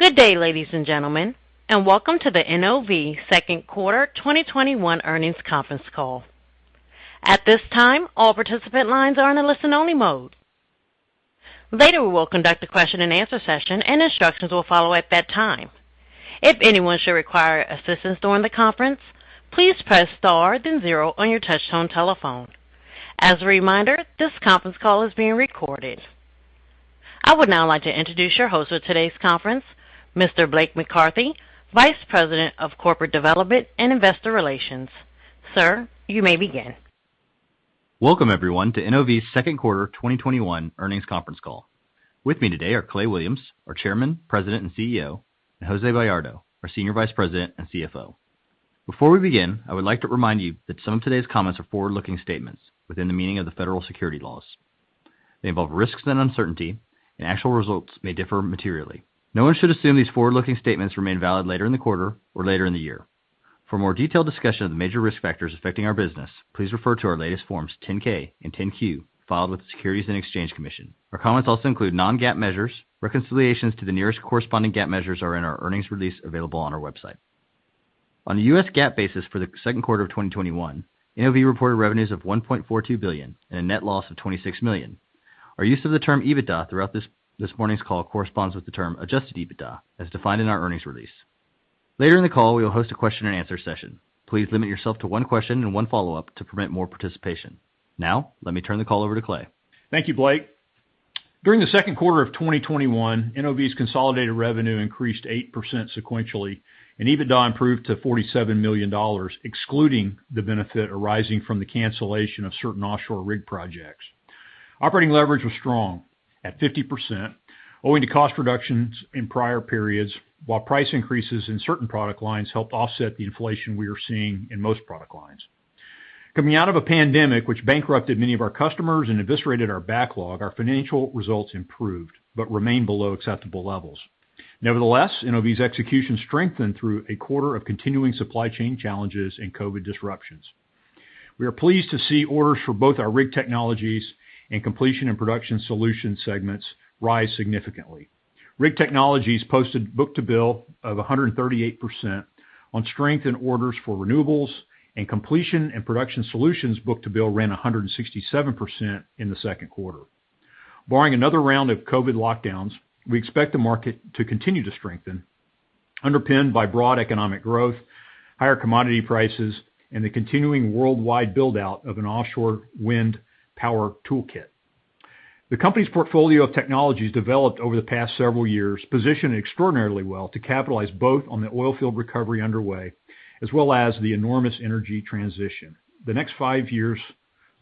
Good day, ladies and gentlemen, and welcome to the NOV second quarter 2021 earnings conference call. At this time, all participant lines are in a listen-only mode. Later we will conduct a question and answer session and instructions will follow at that time. If anyone should require assistance during the conference, please press star then zero on your touchtone telephone. As a reminder, this conference call is being recorded. I would now like to introduce your host for today's conference, Mr. Blake McCarthy, Vice President of Corporate Development and Investor Relations. Sir, you may begin. Welcome everyone to NOV's second quarter 2021 earnings conference call. With me today are Clay Williams, our Chairman, President, and CEO, and Jose Bayardo, our Senior Vice President and CFO. Before we begin, I would like to remind you that some of today's comments are forward-looking statements within the meaning of the federal securities laws. They involve risks and uncertainty, and actual results may differ materially. No one should assume these forward-looking statements remain valid later in the quarter or later in the year. For more detailed discussion of the major risk factors affecting our business, please refer to our latest Forms 10-K and 10-Q filed with the Securities and Exchange Commission. Our comments also include non-GAAP measures. Reconciliations to the nearest corresponding GAAP measures are in our earnings release available on our website. On the U.S. GAAP basis for the second quarter of 2021, NOV reported revenues of $1.42 billion and a net loss of $26 million. Our use of the term EBITDA throughout this morning's call corresponds with the term adjusted EBITDA as defined in our earnings release. Later in the call, we will host a question and answer session. Please limit yourself to one question and one follow-up to permit more participation. Now, let me turn the call over to Clay. Thank you, Blake. During the second quarter of 2021, NOV's consolidated revenue increased 8% sequentially, and EBITDA improved to $47 million, excluding the benefit arising from the cancellation of certain offshore rig projects. Operating leverage was strong at 50%, owing to cost reductions in prior periods, while price increases in certain product lines helped offset the inflation we are seeing in most product lines. Coming out of a pandemic which bankrupted many of our customers and eviscerated our backlog, our financial results improved but remain below acceptable levels. Nevertheless, NOV's execution strengthened through a quarter of continuing supply chain challenges and COVID disruptions. We are pleased to see orders for both our Rig Technologies and Completion & Production Solutions segments rise significantly. Rig Technologies posted book-to-bill of 138% on strength in orders for renewables, and Completion & Production Solutions book-to-bill ran 167% in the second quarter. Barring another round of COVID lockdowns, we expect the market to continue to strengthen, underpinned by broad economic growth, higher commodity prices, and the continuing worldwide build-out of an offshore wind power toolkit. The company's portfolio of technologies developed over the past several years position extraordinarily well to capitalize both on the oilfield recovery underway as well as the enormous energy transition. The next five years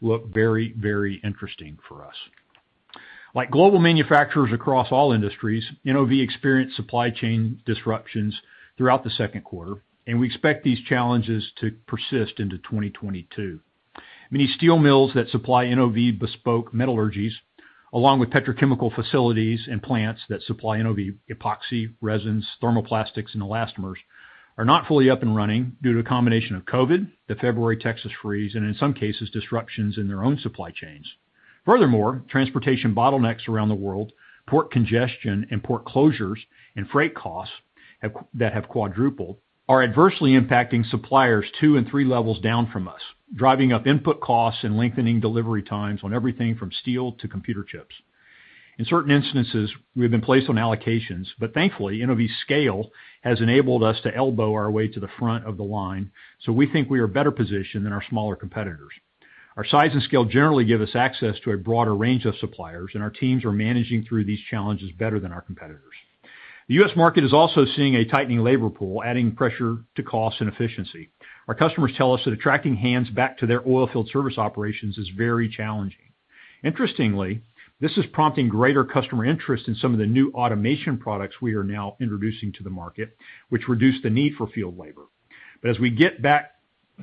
look very interesting for us. Like global manufacturers across all industries, NOV experienced supply chain disruptions throughout the second quarter, and we expect these challenges to persist into 2022. Many steel mills that supply NOV bespoke metallurgies, along with petrochemical facilities and plants that supply NOV epoxy resins, thermoplastics, and elastomers, are not fully up and running due to a combination of COVID, the February Texas freeze, and in some cases, disruptions in their own supply chains. Furthermore, transportation bottlenecks around the world, port congestion and port closures, and freight costs that have quadrupled are adversely impacting suppliers two and three levels down from us, driving up input costs and lengthening delivery times on everything from steel to computer chips. In certain instances, we have been placed on allocations. Thankfully, NOV's scale has enabled us to elbow our way to the front of the line. We think we are better positioned than our smaller competitors. Our size and scale generally give us access to a broader range of suppliers. Our teams are managing through these challenges better than our competitors. The U.S. market is also seeing a tightening labor pool, adding pressure to cost and efficiency. Our customers tell us that attracting hands back to their oilfield service operations is very challenging. Interestingly, this is prompting greater customer interest in some of the new automation products we are now introducing to the market, which reduce the need for field labor. As we get back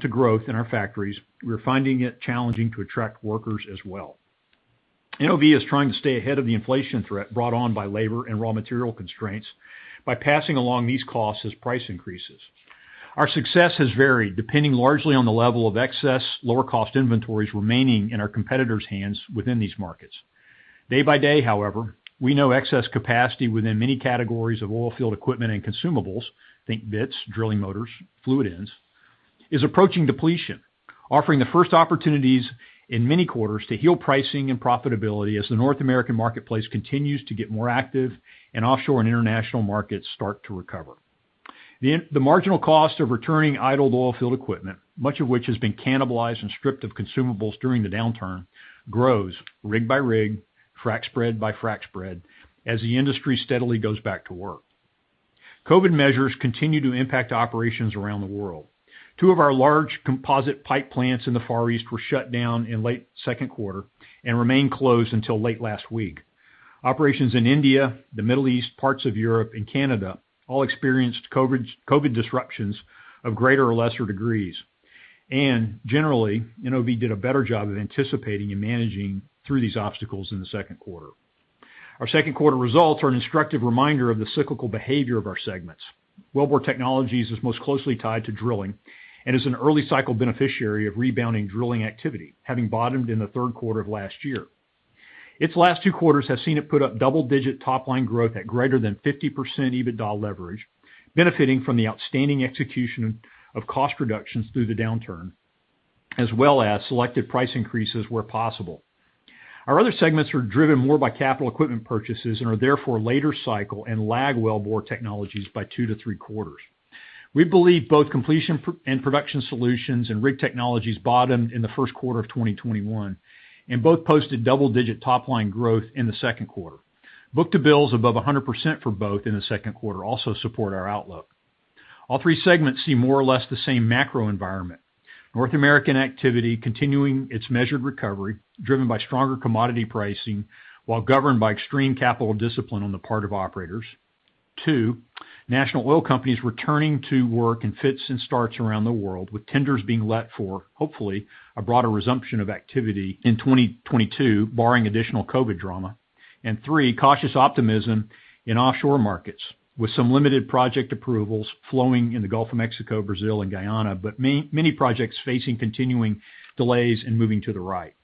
to growth in our factories, we're finding it challenging to attract workers as well. NOV is trying to stay ahead of the inflation threat brought on by labor and raw material constraints by passing along these costs as price increases. Our success has varied, depending largely on the level of excess lower-cost inventories remaining in our competitors' hands within these markets. Day-by-day, however, we know excess capacity within many categories of oilfield equipment and consumables, think bits, drilling motors, fluid ends, is approaching depletion, offering the first opportunities in many quarters to heal pricing and profitability as the North American marketplace continues to get more active and offshore and international markets start to recover. The marginal cost of returning idled oilfield equipment, much of which has been cannibalized and stripped of consumables during the downturn, grows rig by rig, frac spread by frac spread, as the industry steadily goes back to work. COVID measures continue to impact operations around the world. Two of our large composite pipe plants in the Far East were shut down in late second quarter and remained closed until late last week. Operations in India, the Middle East, parts of Europe, and Canada all experienced COVID disruptions of greater or lesser degrees. Generally, NOV did a better job of anticipating and managing through these obstacles in the second quarter. Our second quarter results are an instructive reminder of the cyclical behavior of our segments. Wellbore Technologies is most closely tied to drilling and is an early cycle beneficiary of rebounding drilling activity, having bottomed in the third quarter of last year. Its last two quarters have seen it put up double-digit top-line growth at greater than 50% EBITDA leverage, benefiting from the outstanding execution of cost reductions through the downturn, as well as selective price increases where possible. Our other segments are driven more by capital equipment purchases and are therefore later cycle and lag Wellbore Technologies by two to three quarters. We believe both Completion & Production Solutions and Rig Technologies bottomed in the first quarter of 2021, and both posted double-digit top-line growth in the second quarter. Book-to-bills above 100% for both in the second quarter also support our outlook. All three segments see more or less the same macro environment. North American activity continuing its measured recovery, driven by stronger commodity pricing, while governed by extreme capital discipline on the part of operators. Two, national oil companies returning to work in fits and starts around the world, with tenders being let for, hopefully, a broader resumption of activity in 2022, barring additional COVID drama. Three, cautious optimism in offshore markets, with some limited project approvals flowing in the Gulf of Mexico, Brazil, and Guyana, but many projects facing continuing delays and moving to the right.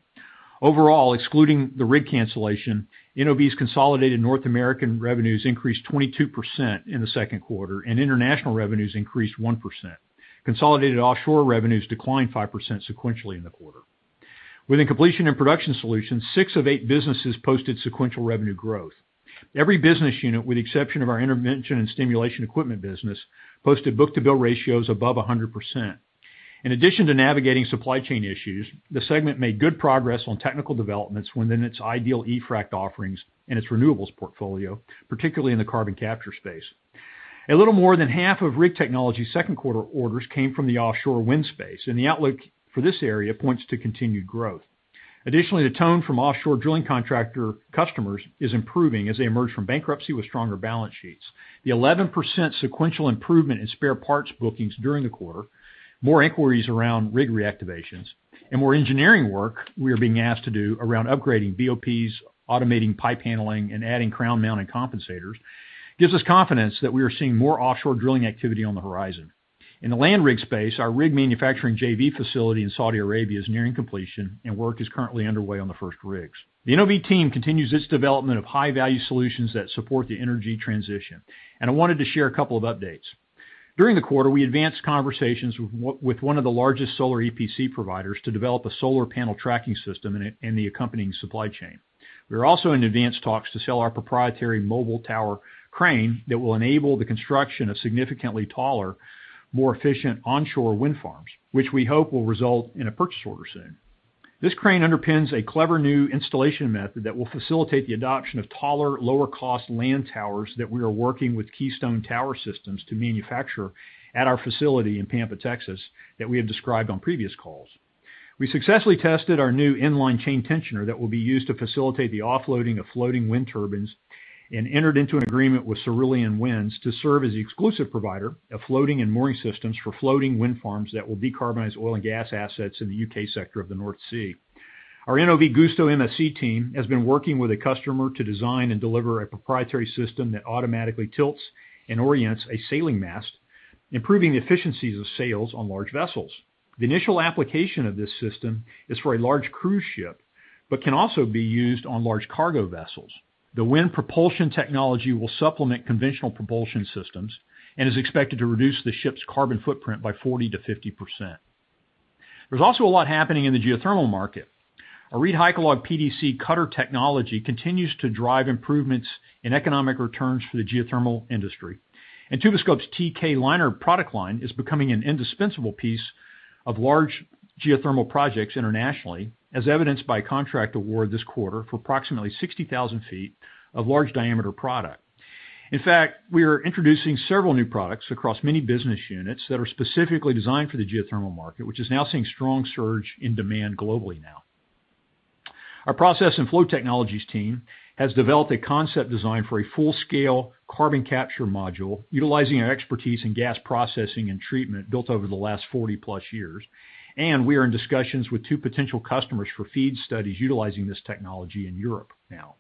Overall, excluding the rig cancellation, NOV's consolidated North American revenues increased 22% in the second quarter, and international revenues increased 1%. Consolidated offshore revenues declined 5% sequentially in the quarter. Within Completion & Production Solutions, six of eight businesses posted sequential revenue growth. Every business unit, with the exception of our intervention and stimulation equipment business, posted book-to-bill ratios above 100%. In addition to navigating supply chain issues, the segment made good progress on technical developments within its Ideal eFrac offerings and its renewables portfolio, particularly in the carbon capture space. A little more than half of Rig Technologies second quarter orders came from the offshore wind space, the outlook for this area points to continued growth. The tone from offshore drilling contractor customers is improving as they emerge from bankruptcy with stronger balance sheets. The 11% sequential improvement in spare parts bookings during the quarter, more inquiries around rig reactivations, and more engineering work we are being asked to do around upgrading BOPs, automating pipe handling, and adding crown-mount and compensators, gives us confidence that we are seeing more offshore drilling activity on the horizon. In the land rig space, our rig manufacturing JV facility in Saudi Arabia is nearing completion, and work is currently underway on the first rigs. The NOV team continues its development of high-value solutions that support the energy transition, and I wanted to share a couple of updates. During the quarter, we advanced conversations with one of the largest solar EPC providers to develop a solar panel tracking system and the accompanying supply chain. We are also in advanced talks to sell our proprietary mobile tower crane that will enable the construction of significantly taller, more efficient onshore wind farms, which we hope will result in a purchase order soon. This crane underpins a clever new installation method that will facilitate the adoption of taller, lower-cost land towers that we are working with Keystone Tower Systems to manufacture at our facility in Pampa, Texas, that we have described on previous calls. We successfully tested our new inline chain tensioner that will be used to facilitate the offloading of floating wind turbines and entered into an agreement with Cerulean Winds to serve as the exclusive provider of floating and mooring systems for floating wind farms that will decarbonize oil and gas assets in the U.K. sector of the North Sea. Our NOV GustoMSC team has been working with a customer to design and deliver a proprietary system that automatically tilts and orients a sailing mast, improving the efficiencies of sails on large vessels. The initial application of this system is for a large cruise ship but can also be used on large cargo vessels. The wind propulsion technology will supplement conventional propulsion systems and is expected to reduce the ship's carbon footprint by 40%-50%. There's also a lot happening in the geothermal market. Our ReedHycalog PDC cutter technology continues to drive improvements in economic returns for the geothermal industry. Tuboscope's TK-Liner product line is becoming an indispensable piece of large geothermal projects internationally, as evidenced by a contract award this quarter for approximately 60,000 ft of large-diameter product. In fact, we are introducing several new products across many business units that are specifically designed for the geothermal market, which is now seeing strong surge in demand globally now. Our process and flow technologies team has developed a concept design for a full-scale carbon capture module utilizing our expertise in gas processing and treatment built over the last 40-plus years, and we are in discussions with two potential customers for FEED studies utilizing this technology in Europe now.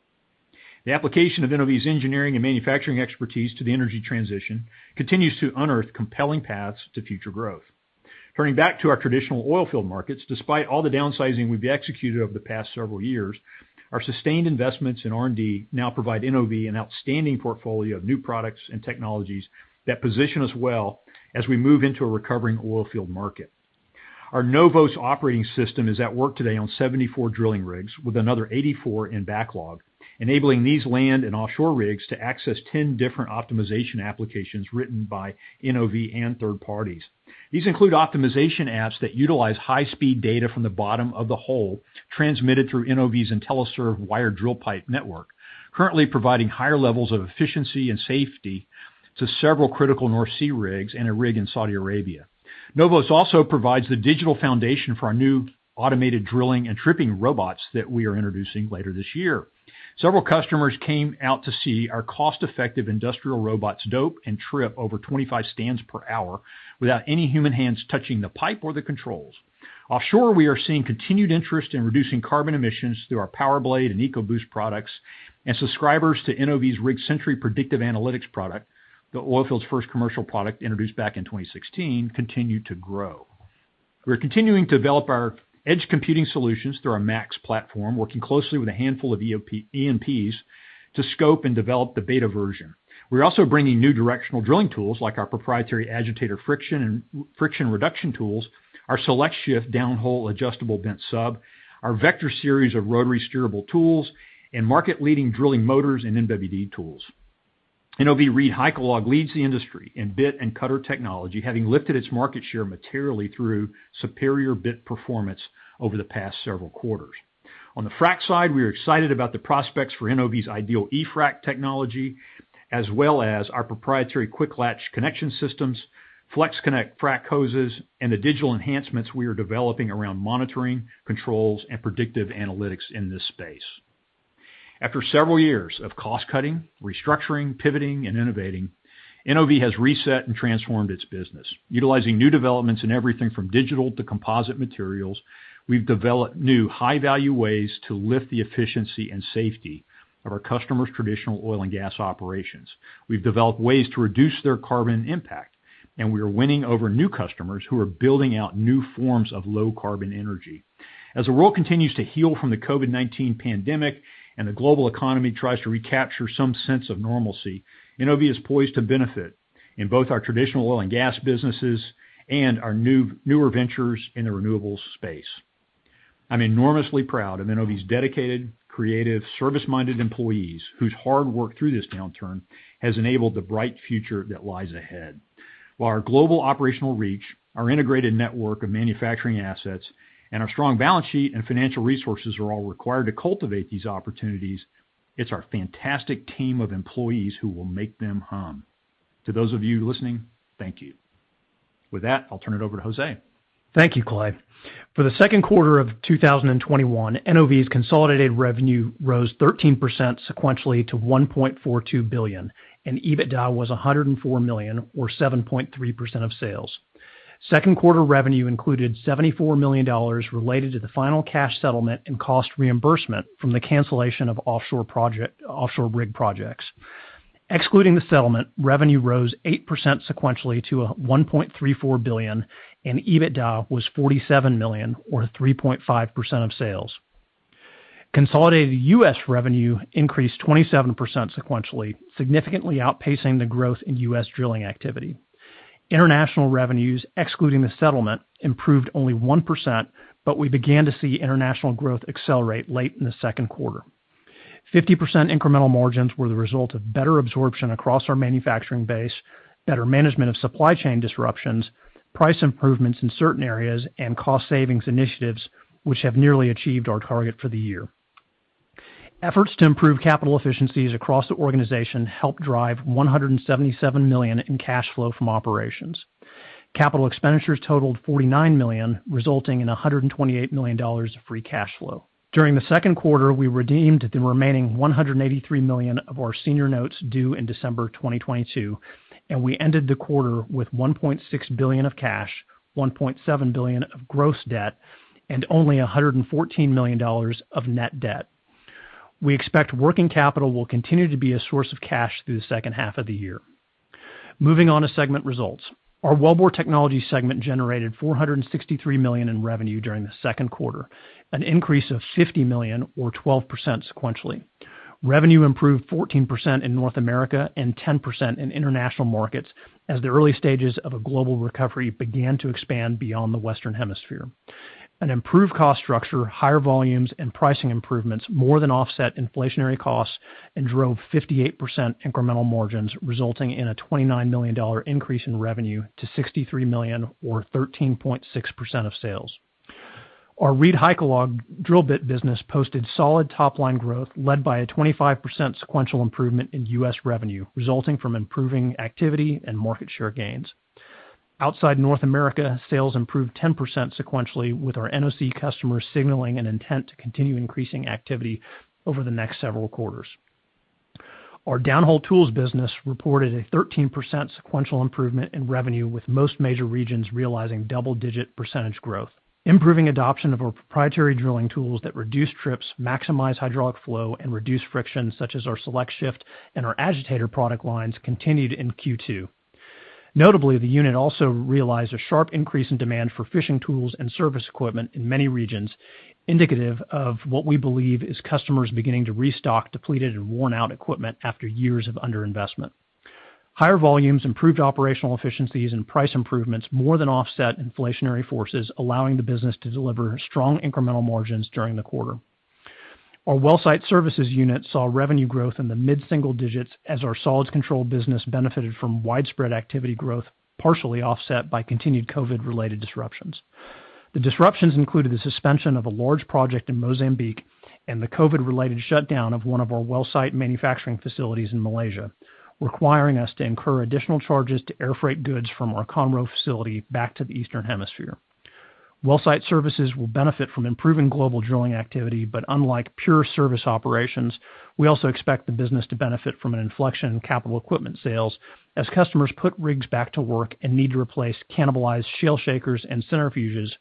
The application of NOV's engineering and manufacturing expertise to the energy transition continues to unearth compelling paths to future growth. Turning back to our traditional oilfield markets, despite all the downsizing we've executed over the past several years, our sustained investments in R&D now provide NOV an outstanding portfolio of new products and technologies that position us well as we move into a recovering oilfield market. Our NOVOS operating system is at work today on 74 drilling rigs with another 84 in backlog, enabling these land and offshore rigs to access 10 different optimization applications written by NOV and third parties. These include optimization apps that utilize high-speed data from the bottom of the hole transmitted through NOV's IntelliServ wired drill pipe network, currently providing higher levels of efficiency and safety to several critical North Sea rigs and a rig in Saudi Arabia. NOVOS also provides the digital foundation for our new automated drilling and tripping robots that we are introducing later this year. Several customers came out to see our cost-effective industrial robots dope and trip over 25 stands per hour without any human hands touching the pipe or the controls. Offshore, we are seeing continued interest in reducing carbon emissions through our PowerBlade and EcoBoost products. Subscribers to NOV's RIGSENTRY predictive analytics product, the oilfield's first commercial product introduced back in 2016, continue to grow. We're continuing to develop our edge computing solutions through our Max Platform, working closely with a handful of E&Ps to scope and develop the beta version. We're also bringing new directional drilling tools like our proprietary Agitator friction and friction reduction tools, our SelectShift downhole adjustable bent sub, our Vector series of rotary steerable tools, and market-leading drilling motors and MWD tools. NOV ReedHycalog leads the industry in bit and cutter technology, having lifted its market share materially through superior bit performance over the past several quarters. On the frac side, we are excited about the prospects for NOV's Ideal eFrac technology, as well as our proprietary QuickLatch connection systems, FlexConnect frac hoses, and the digital enhancements we are developing around monitoring, controls, and predictive analytics in this space. After several years of cost-cutting, restructuring, pivoting, and innovating, NOV has reset and transformed its business. Utilizing new developments in everything from digital to composite materials, we've developed new high-value ways to lift the efficiency and safety of our customers' traditional oil and gas operations. We've developed ways to reduce their carbon impact, and we are winning over new customers who are building out new forms of low-carbon energy. As the world continues to heal from the COVID-19 pandemic and the global economy tries to recapture some sense of normalcy, NOV is poised to benefit in both our traditional oil and gas businesses and our newer ventures in the renewables space. I'm enormously proud of NOV's dedicated, creative, service-minded employees whose hard work through this downturn has enabled the bright future that lies ahead. While our global operational reach, our integrated network of manufacturing assets, and our strong balance sheet and financial resources are all required to cultivate these opportunities, it's our fantastic team of employees who will make them hum. To those of you listening, thank you. With that, I'll turn it over to Jose. Thank you, Clay Williams. For the second quarter of 2021, NOV's consolidated revenue rose 13% sequentially to $1.42 billion, and EBITDA was $104 million, or 7.3% of sales. Second quarter revenue included $74 million related to the final cash settlement and cost reimbursement from the cancellation of offshore rig projects. Excluding the settlement, revenue rose 8% sequentially to $1.34 billion, and EBITDA was $47 million, or 3.5% of sales. Consolidated U.S. revenue increased 27% sequentially, significantly outpacing the growth in U.S. drilling activity. International revenues, excluding the settlement, improved only 1%, but we began to see international growth accelerate late in the second quarter. 50% incremental margins were the result of better absorption across our manufacturing base, better management of supply chain disruptions, price improvements in certain areas, and cost savings initiatives, which have nearly achieved our target for the year. Efforts to improve capital efficiencies across the organization helped drive $177 million in cash flow from operations. Capital expenditures totaled $49 million, resulting in $128 million of free cash flow. During the second quarter, we redeemed the remaining $183 million of our senior notes due in December 2022, and we ended the quarter with $1.6 billion of cash, $1.7 billion of gross debt, and only $114 million of net debt. We expect working capital will continue to be a source of cash through the second half of the year. Moving on to segment results. Our Wellbore Technologies segment generated $463 million in revenue during the second quarter, an increase of $50 million or 12% sequentially. Revenue improved 14% in North America and 10% in international markets, as the early stages of a global recovery began to expand beyond the Western Hemisphere. An improved cost structure, higher volumes, and pricing improvements more than offset inflationary costs and drove 58% incremental margins, resulting in a $29 million increase in revenue to $63 million, or 13.6% of sales. Our ReedHycalog drill bit business posted solid top-line growth led by a 25% sequential improvement in U.S. revenue, resulting from improving activity and market share gains. Outside North America, sales improved 10% sequentially with our NOC customers signaling an intent to continue increasing activity over the next several quarters. Our downhole tools business reported a 13% sequential improvement in revenue, with most major regions realizing double-digit percentage growth. Improving adoption of our proprietary drilling tools that reduce trips, maximize hydraulic flow, and reduce friction, such as our SelectShift and our agitator product lines, continued in Q2. Notably, the unit also realized a sharp increase in demand for fishing tools and service equipment in many regions, indicative of what we believe is customers beginning to restock depleted and worn-out equipment after years of underinvestment. Higher volumes, improved operational efficiencies, and price improvements more than offset inflationary forces, allowing the business to deliver strong incremental margins during the quarter. Our WellSite Services unit saw revenue growth in the mid-single digits as our solids control business benefited from widespread activity growth, partially offset by continued COVID-19-related disruptions. The disruptions included the suspension of a large project in Mozambique and the COVID-19-related shutdown of one of our wellsite manufacturing facilities in Malaysia, requiring us to incur additional charges to air freight goods from our Conroe facility back to the Eastern Hemisphere. WellSite Services will benefit from improving global drilling activity, but unlike pure service operations, we also expect the business to benefit from an inflection in capital equipment sales as customers put rigs back to work and need to replace cannibalized shale shakers and centrifuges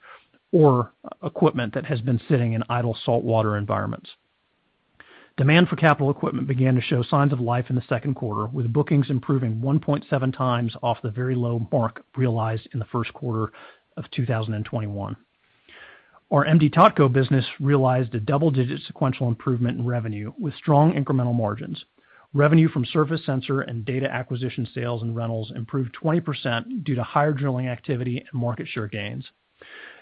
or equipment that has been sitting in idle saltwater environments. Demand for capital equipment began to show signs of life in the second quarter, with bookings improving 1.7x off the very low mark realized in the first quarter of 2021. Our M/D Totco business realized a double-digit sequential improvement in revenue with strong incremental margins. Revenue from surface sensor and data acquisition sales and rentals improved 20% due to higher drilling activity and market share gains.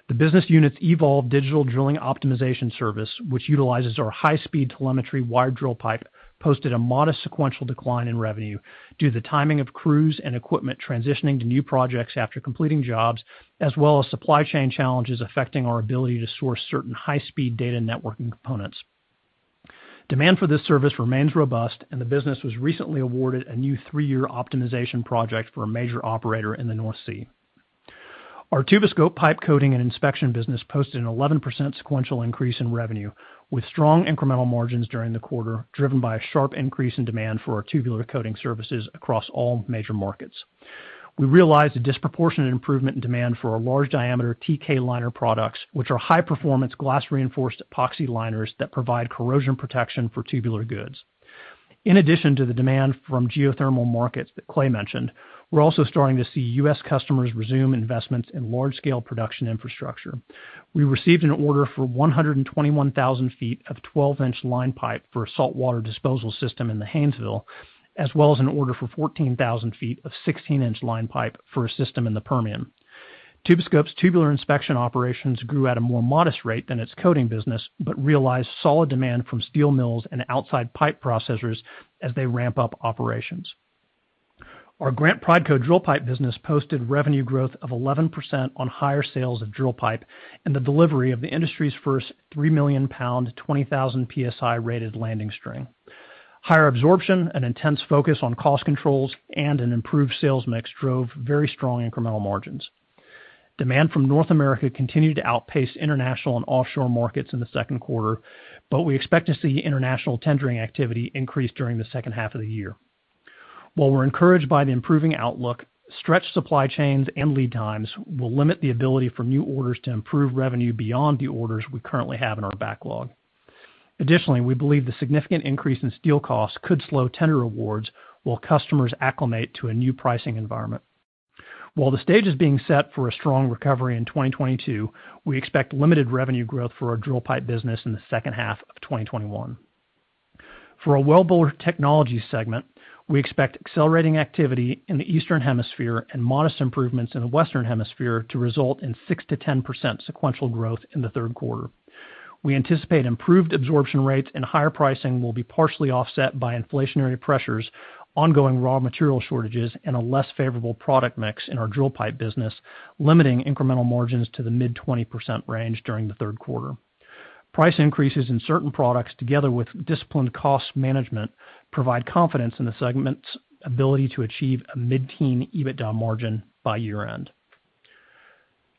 The business unit's evolved digital drilling optimization service, which utilizes our high-speed telemetry wired drill pipe, posted a modest sequential decline in revenue due to the timing of crews and equipment transitioning to new projects after completing jobs as well as supply chain challenges affecting our ability to source certain high-speed data networking components. Demand for this service remains robust, and the business was recently awarded a new three-year optimization project for a major operator in the North Sea. Our Tuboscope pipe coating and inspection business posted an 11% sequential increase in revenue with strong incremental margins during the quarter, driven by a sharp increase in demand for our tubular coating services across all major markets. We realized a disproportionate improvement in demand for our large-diameter TK-Liner products, which are high-performance glass-reinforced epoxy liners that provide corrosion protection for tubular goods. In addition to the demand from geothermal markets that Clay mentioned, we're also starting to see U.S. customers resume investments in large-scale production infrastructure. We received an order for 121,000 ft of 12-inch line pipe for a saltwater disposal system in the Haynesville, as well as an order for 14,000 ft of 16-inch line pipe for a system in the Permian. Tuboscope's tubular inspection operations grew at a more modest rate than its coating business but realized solid demand from steel mills and outside pipe processors as they ramp up operations. Our Grant Prideco drill pipe business posted revenue growth of 11% on higher sales of drill pipe and the delivery of the industry's first 3 million lb, 20,000 PSI-rated landing string. Higher absorption, an intense focus on cost controls, and an improved sales mix drove very strong incremental margins. Demand from North America continued to outpace international and offshore markets in the second quarter. We expect to see international tendering activity increase during the second half of the year. While we're encouraged by the improving outlook, stretched supply chains and lead times will limit the ability for new orders to improve revenue beyond the orders we currently have in our backlog. Additionally, we believe the significant increase in steel costs could slow tender awards while customers acclimate to a new pricing environment. While the stage is being set for a strong recovery in 2022, we expect limited revenue growth for our drill pipe business in the second half of 2021. For our Wellbore Technologies segment, we expect accelerating activity in the Eastern Hemisphere and modest improvements in the Western Hemisphere to result in 6%-10% sequential growth in the third quarter. We anticipate improved absorption rates and higher pricing will be partially offset by inflationary pressures, ongoing raw material shortages, and a less favorable product mix in our drill pipe business, limiting incremental margins to the mid-20% range during the third quarter. Price increases in certain products together with disciplined cost management provide confidence in the segment's ability to achieve a mid-teen EBITDA margin by year-end.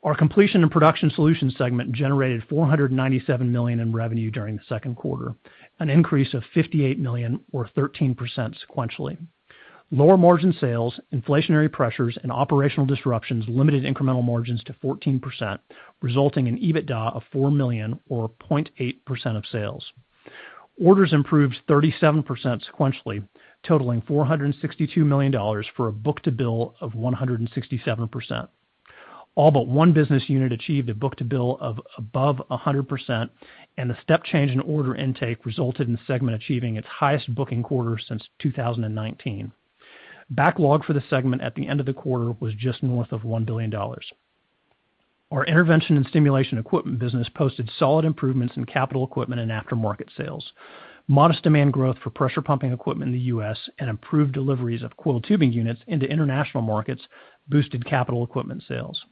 Our Completion & Production Solutions segment generated $497 million in revenue during the second quarter, an increase of $58 million or 13% sequentially. Lower-margin sales, inflationary pressures, and operational disruptions limited incremental margins to 14%, resulting in EBITDA of $4 million or 0.8% of sales. Orders improved 37% sequentially, totaling $462 million for a book-to-bill of 167%. All but one business unit achieved a book-to-bill of above 100%, and the step change in order intake resulted in the segment achieving its highest booking quarter since 2019. Backlog for the segment at the end of the quarter was just north of $1 billion. Our intervention and stimulation equipment business posted solid improvements in capital equipment and aftermarket sales. Modest demand growth for pressure pumping equipment in the U.S. and improved deliveries of coiled tubing units into international markets boosted capital equipment sales.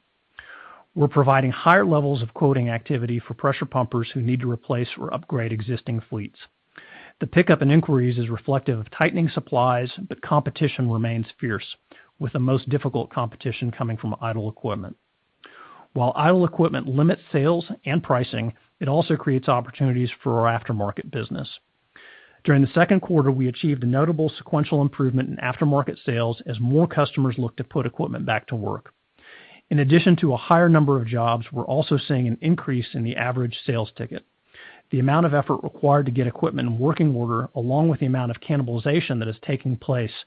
We're providing higher levels of quoting activity for pressure pumpers who need to replace or upgrade existing fleets. The pickup in inquiries is reflective of tightening supplies, but competition remains fierce, with the most difficult competition coming from idle equipment. While idle equipment limits sales and pricing, it also creates opportunities for our aftermarket business. During the second quarter, we achieved a notable sequential improvement in aftermarket sales as more customers looked to put equipment back to work. In addition to a higher number of jobs, we're also seeing an increase in the average sales ticket. The amount of effort required to get equipment in working order, along with the amount of cannibalization that is taking place,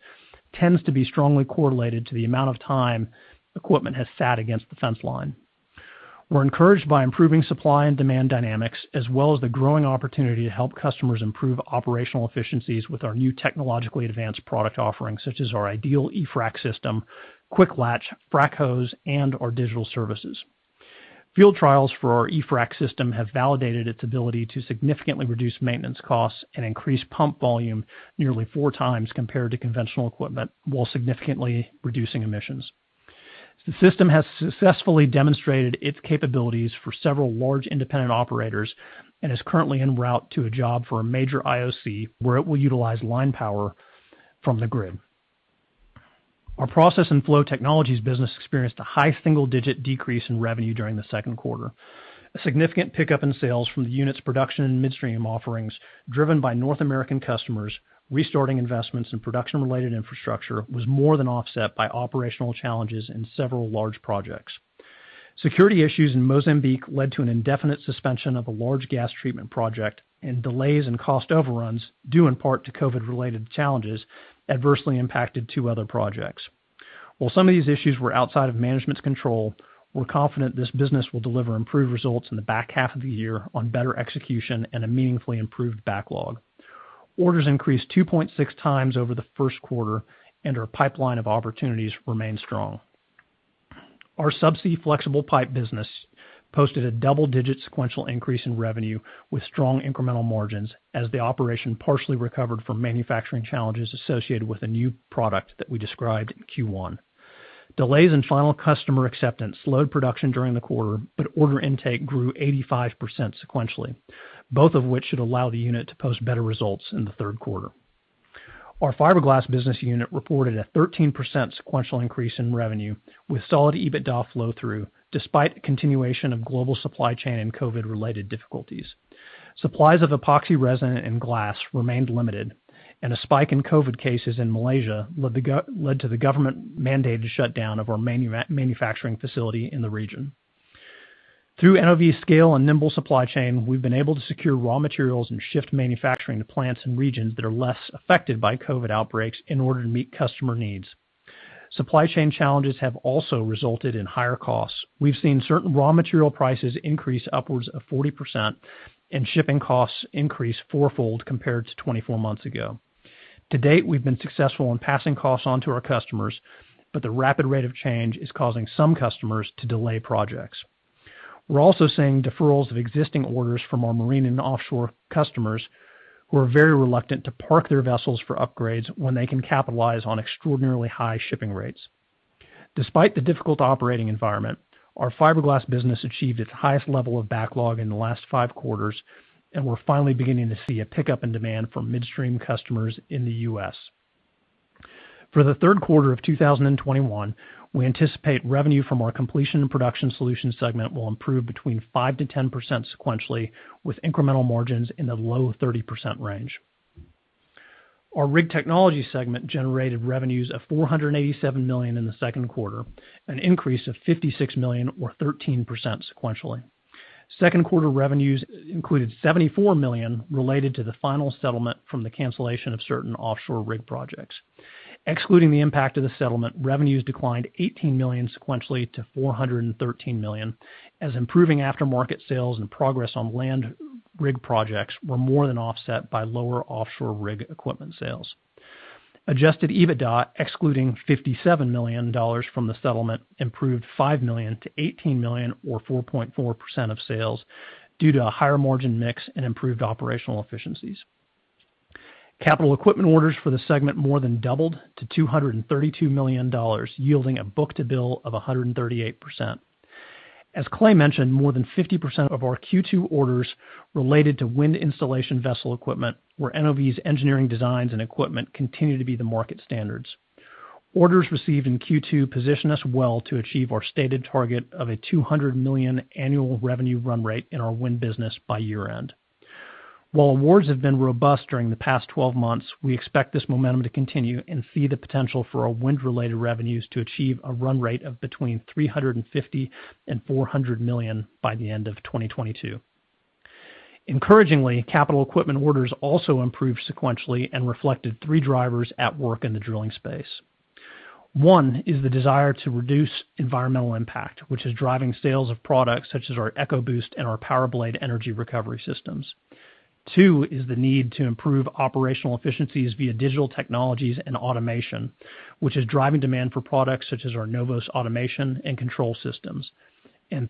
tends to be strongly correlated to the amount of time equipment has sat against the fence line. We're encouraged by improving supply and demand dynamics as well as the growing opportunity to help customers improve operational efficiencies with our new technologically advanced product offerings, such as our Ideal eFrac system, QuickLatch, FracHose, and our digital services. Field trials for our eFrac system have validated its ability to significantly reduce maintenance costs and increase pump volume nearly four times compared to conventional equipment while significantly reducing emissions. The system has successfully demonstrated its capabilities for several large independent operators and is currently en route to a job for a major IOC, where it will utilize line power from the grid. Our process and flow technologies business experienced a high single-digit decrease in revenue during the second quarter. A significant pickup in sales from the unit's production and midstream offerings, driven by North American customers restarting investments in production-related infrastructure, was more than offset by operational challenges in several large projects. Security issues in Mozambique led to an indefinite suspension of a large gas treatment project, and delays and cost overruns, due in part to COVID-related challenges, adversely impacted two other projects. While some of these issues were outside of management's control, we're confident this business will deliver improved results in the back half of the year on better execution and a meaningfully improved backlog. Orders increased 2.6x over the first quarter, and our pipeline of opportunities remains strong. Our subsea flexible pipe business posted a double-digit sequential increase in revenue with strong incremental margins as the operation partially recovered from manufacturing challenges associated with a new product that we described in Q1. Delays in final customer acceptance slowed production during the quarter, but order intake grew 85% sequentially, both of which should allow the unit to post better results in the third quarter. Our fiberglass business unit reported a 13% sequential increase in revenue with solid EBITDA flow-through, despite the continuation of global supply chain and COVID-related difficulties. Supplies of epoxy resin and glass remained limited, and a spike in COVID cases in Malaysia led to the government-mandated shutdown of our manufacturing facility in the region. Through NOV scale and nimble supply chain, we've been able to secure raw materials and shift manufacturing to plants and regions that are less affected by COVID outbreaks in order to meet customer needs. Supply chain challenges have also resulted in higher costs. We've seen certain raw material prices increase upwards of 40% and shipping costs increase fourfold compared to 24 months ago. To date, we've been successful in passing costs on to our customers, but the rapid rate of change is causing some customers to delay projects. We're also seeing deferrals of existing orders from our marine and offshore customers who are very reluctant to park their vessels for upgrades when they can capitalize on extraordinarily high shipping rates. Despite the difficult operating environment, our fiberglass business achieved its highest level of backlog in the last five quarters. We're finally beginning to see a pickup in demand from midstream customers in the U.S. For the third quarter of 2021, we anticipate revenue from our Completion & Production Solutions segment will improve between 5%-10% sequentially, with incremental margins in the low 30% range. Our Rig Technologies segment generated revenues of $487 million in the second quarter, an increase of $56 million or 13% sequentially. Second quarter revenues included $74 million related to the final settlement from the cancellation of certain offshore rig projects. Excluding the impact of the settlement, revenues declined $18 million sequentially to $413 million, as improving aftermarket sales and progress on land rig projects were more than offset by lower offshore rig equipment sales. Adjusted EBITDA, excluding $57 million from the settlement, improved $5 million-$18 million, or 4.4% of sales, due to a higher-margin mix and improved operational efficiencies. Capital equipment orders for the segment more than doubled to $232 million, yielding a book-to-bill of 138%. As Clay mentioned, more than 50% of our Q2 orders related to wind installation vessel equipment, where NOV's engineering designs and equipment continue to be the market standards. Orders received in Q2 position us well to achieve our stated target of a $200 million annual revenue run rate in our wind business by year-end. While awards have been robust during the past 12 months, we expect this momentum to continue and see the potential for our wind-related revenues to achieve a run rate of between $350 million-$400 million by the end of 2022. Encouragingly, capital equipment orders also improved sequentially and reflected three drivers at work in the drilling space. One is the desire to reduce environmental impact, which is driving sales of products such as our EcoBoost and our PowerBlade energy recovery systems. Two is the need to improve operational efficiencies via digital technologies and automation, which is driving demand for products such as our NOVOS automation and control systems.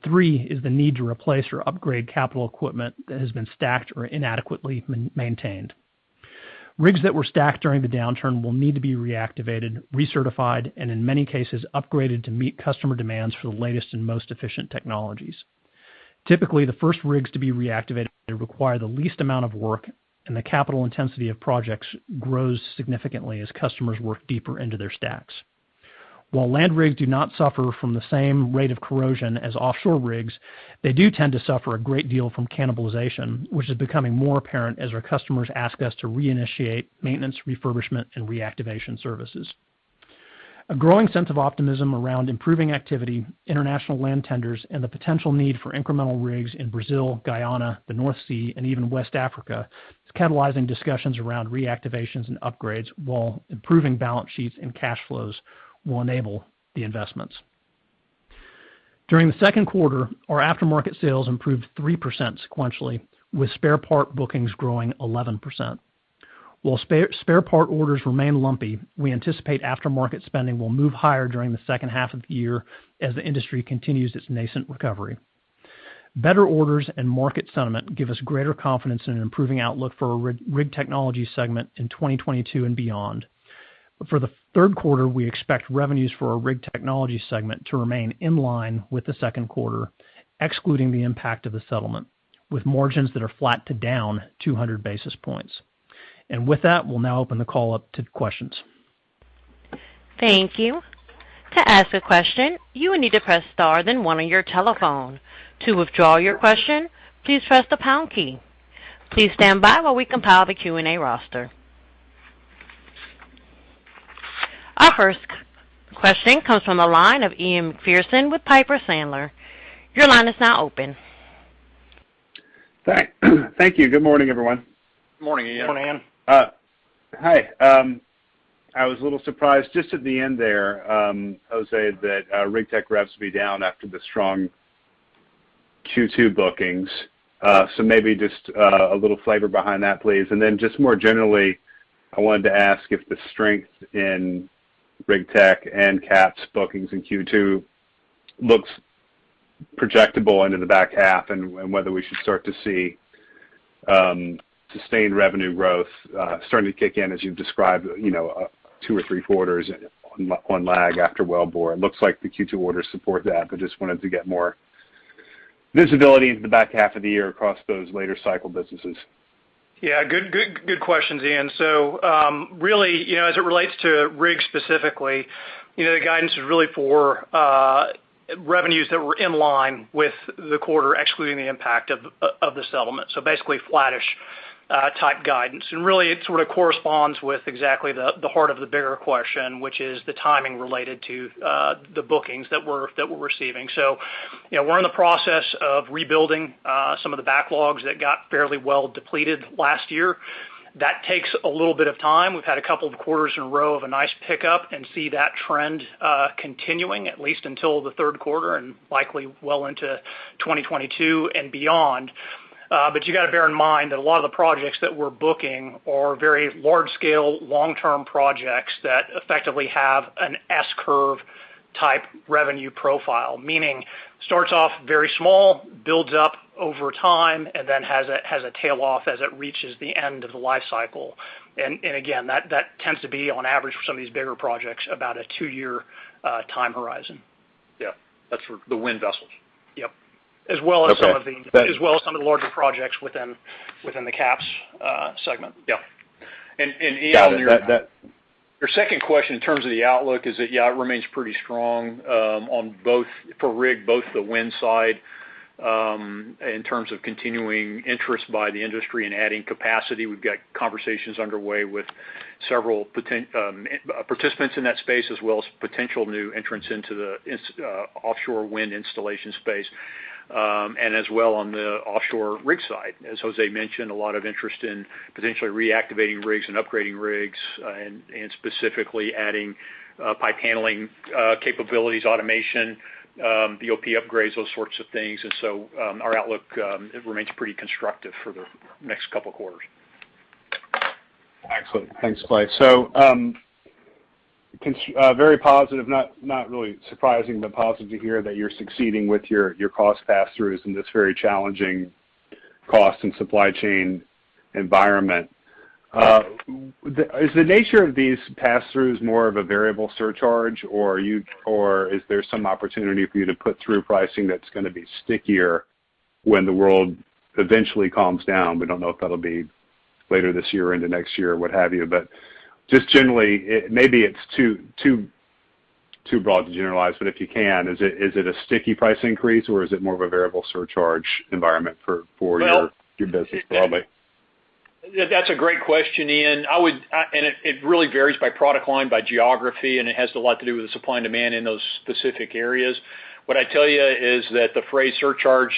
Three is the need to replace or upgrade capital equipment that has been stacked or inadequately maintained. Rigs that were stacked during the downturn will need to be reactivated, recertified, and in many cases, upgraded to meet customer demands for the latest and most efficient technologies. Typically, the first rigs to be reactivated require the least amount of work, and the capital intensity of projects grows significantly as customers work deeper into their stacks. While land rigs do not suffer from the same rate of corrosion as offshore rigs, they do tend to suffer a great deal from cannibalization, which is becoming more apparent as our customers ask us to reinitiate maintenance refurbishment and reactivation services. A growing sense of optimism around improving activity, international land tenders, and the potential need for incremental rigs in Brazil, Guyana, the North Sea, and even West Africa is catalyzing discussions around reactivations and upgrades, while improving balance sheets and cash flows will enable the investments. During the second quarter, our aftermarket sales improved 3% sequentially, with spare part bookings growing 11%. While spare part orders remain lumpy, we anticipate aftermarket spending will move higher during the second half of the year as the industry continues its nascent recovery. Better orders and market sentiment give us greater confidence in an improving outlook for our Rig Technologies segment in 2022 and beyond. For the third quarter, we expect revenues for our Rig Technologies segment to remain in line with the second quarter, excluding the impact of the settlement, with margins that are flat to down 200 basis points. With that, we'll now open the call up to questions. Thank you. To ask a question, you will need to press star then one on your telephone. To withdraw your question, please press the pound key. Please stand by while we compile the Q&A roster. Our first question comes from the line of Ian Macpherson with Piper Sandler. Your line is now open. Thank you. Good morning, everyone? Good morning, Ian. Good morning, Ian. Hi. I was a little surprised just at the end there, Jose, that Rig Tech reps be down after the strong Q2 bookings. Maybe just a little flavor behind that, please. Just more generally, I wanted to ask if the strength in Rig Tech and CAPS bookings in Q2 looks projectable into the back half and whether we should start to see sustained revenue growth starting to kick in as you've described, two or three quarters on lag after Wellbore. It looks like the Q2 orders support that, just wanted to get more visibility into the back half of the year across those later cycle businesses. Good questions, Ian. Really as it relates to rigs specifically, the guidance is really for revenues that were in line with the quarter, excluding the impact of the settlement. Basically, flattish type guidance. Really, it sort of corresponds with exactly the heart of the bigger question, which is the timing related to the bookings that we're receiving. We're in the process of rebuilding some of the backlogs that got fairly well depleted last year. That takes a little bit of time. We've had a couple of quarters in a row of a nice pickup and see that trend continuing at least until the third quarter and likely well into 2022 and beyond. You got to bear in mind that a lot of the projects that we're booking are very large scale, long-term projects that effectively have an S-curve type revenue profile, meaning starts off very small, builds up over time, and then has a tail-off as it reaches the end of the life cycle. Again, that tends to be on average for some of these bigger projects about a two-year time horizon. Yeah. That's for the wind vessels? Yep. Okay. As well as some of the larger projects within the CAPS segment. Yeah. Got it. Your second question in terms of the outlook is that, yeah, it remains pretty strong, for rig, both the wind side, in terms of continuing interest by the industry and adding capacity. We've got conversations underway with several participants in that space, as well as potential new entrants into the offshore wind installation space. As well on the offshore rig side. As Jose mentioned, a lot of interest in potentially reactivating rigs and upgrading rigs, and specifically adding pipe handling capabilities, automation, BOP upgrades, those sorts of things. Our outlook, it remains pretty constructive for the next couple of quarters. Excellent. Thanks, Clay. Very positive, not really surprising, but positive to hear that you're succeeding with your cost pass-throughs in this very challenging cost and supply chain environment. Right. Is the nature of these pass-throughs more of a variable surcharge, or is there some opportunity for you to put through pricing that's going to be stickier when the world eventually calms down? We don't know if that'll be later this year or into next year, what have you. Just generally, maybe it's too broad to generalize, but if you can, is it a sticky price increase or is it more of a variable surcharge environment... Well- ...your business broadly? That's a great question, Ian. It really varies by product line, by geography, and it has a lot to do with the supply and demand in those specific areas. What I tell you is that the freight surcharge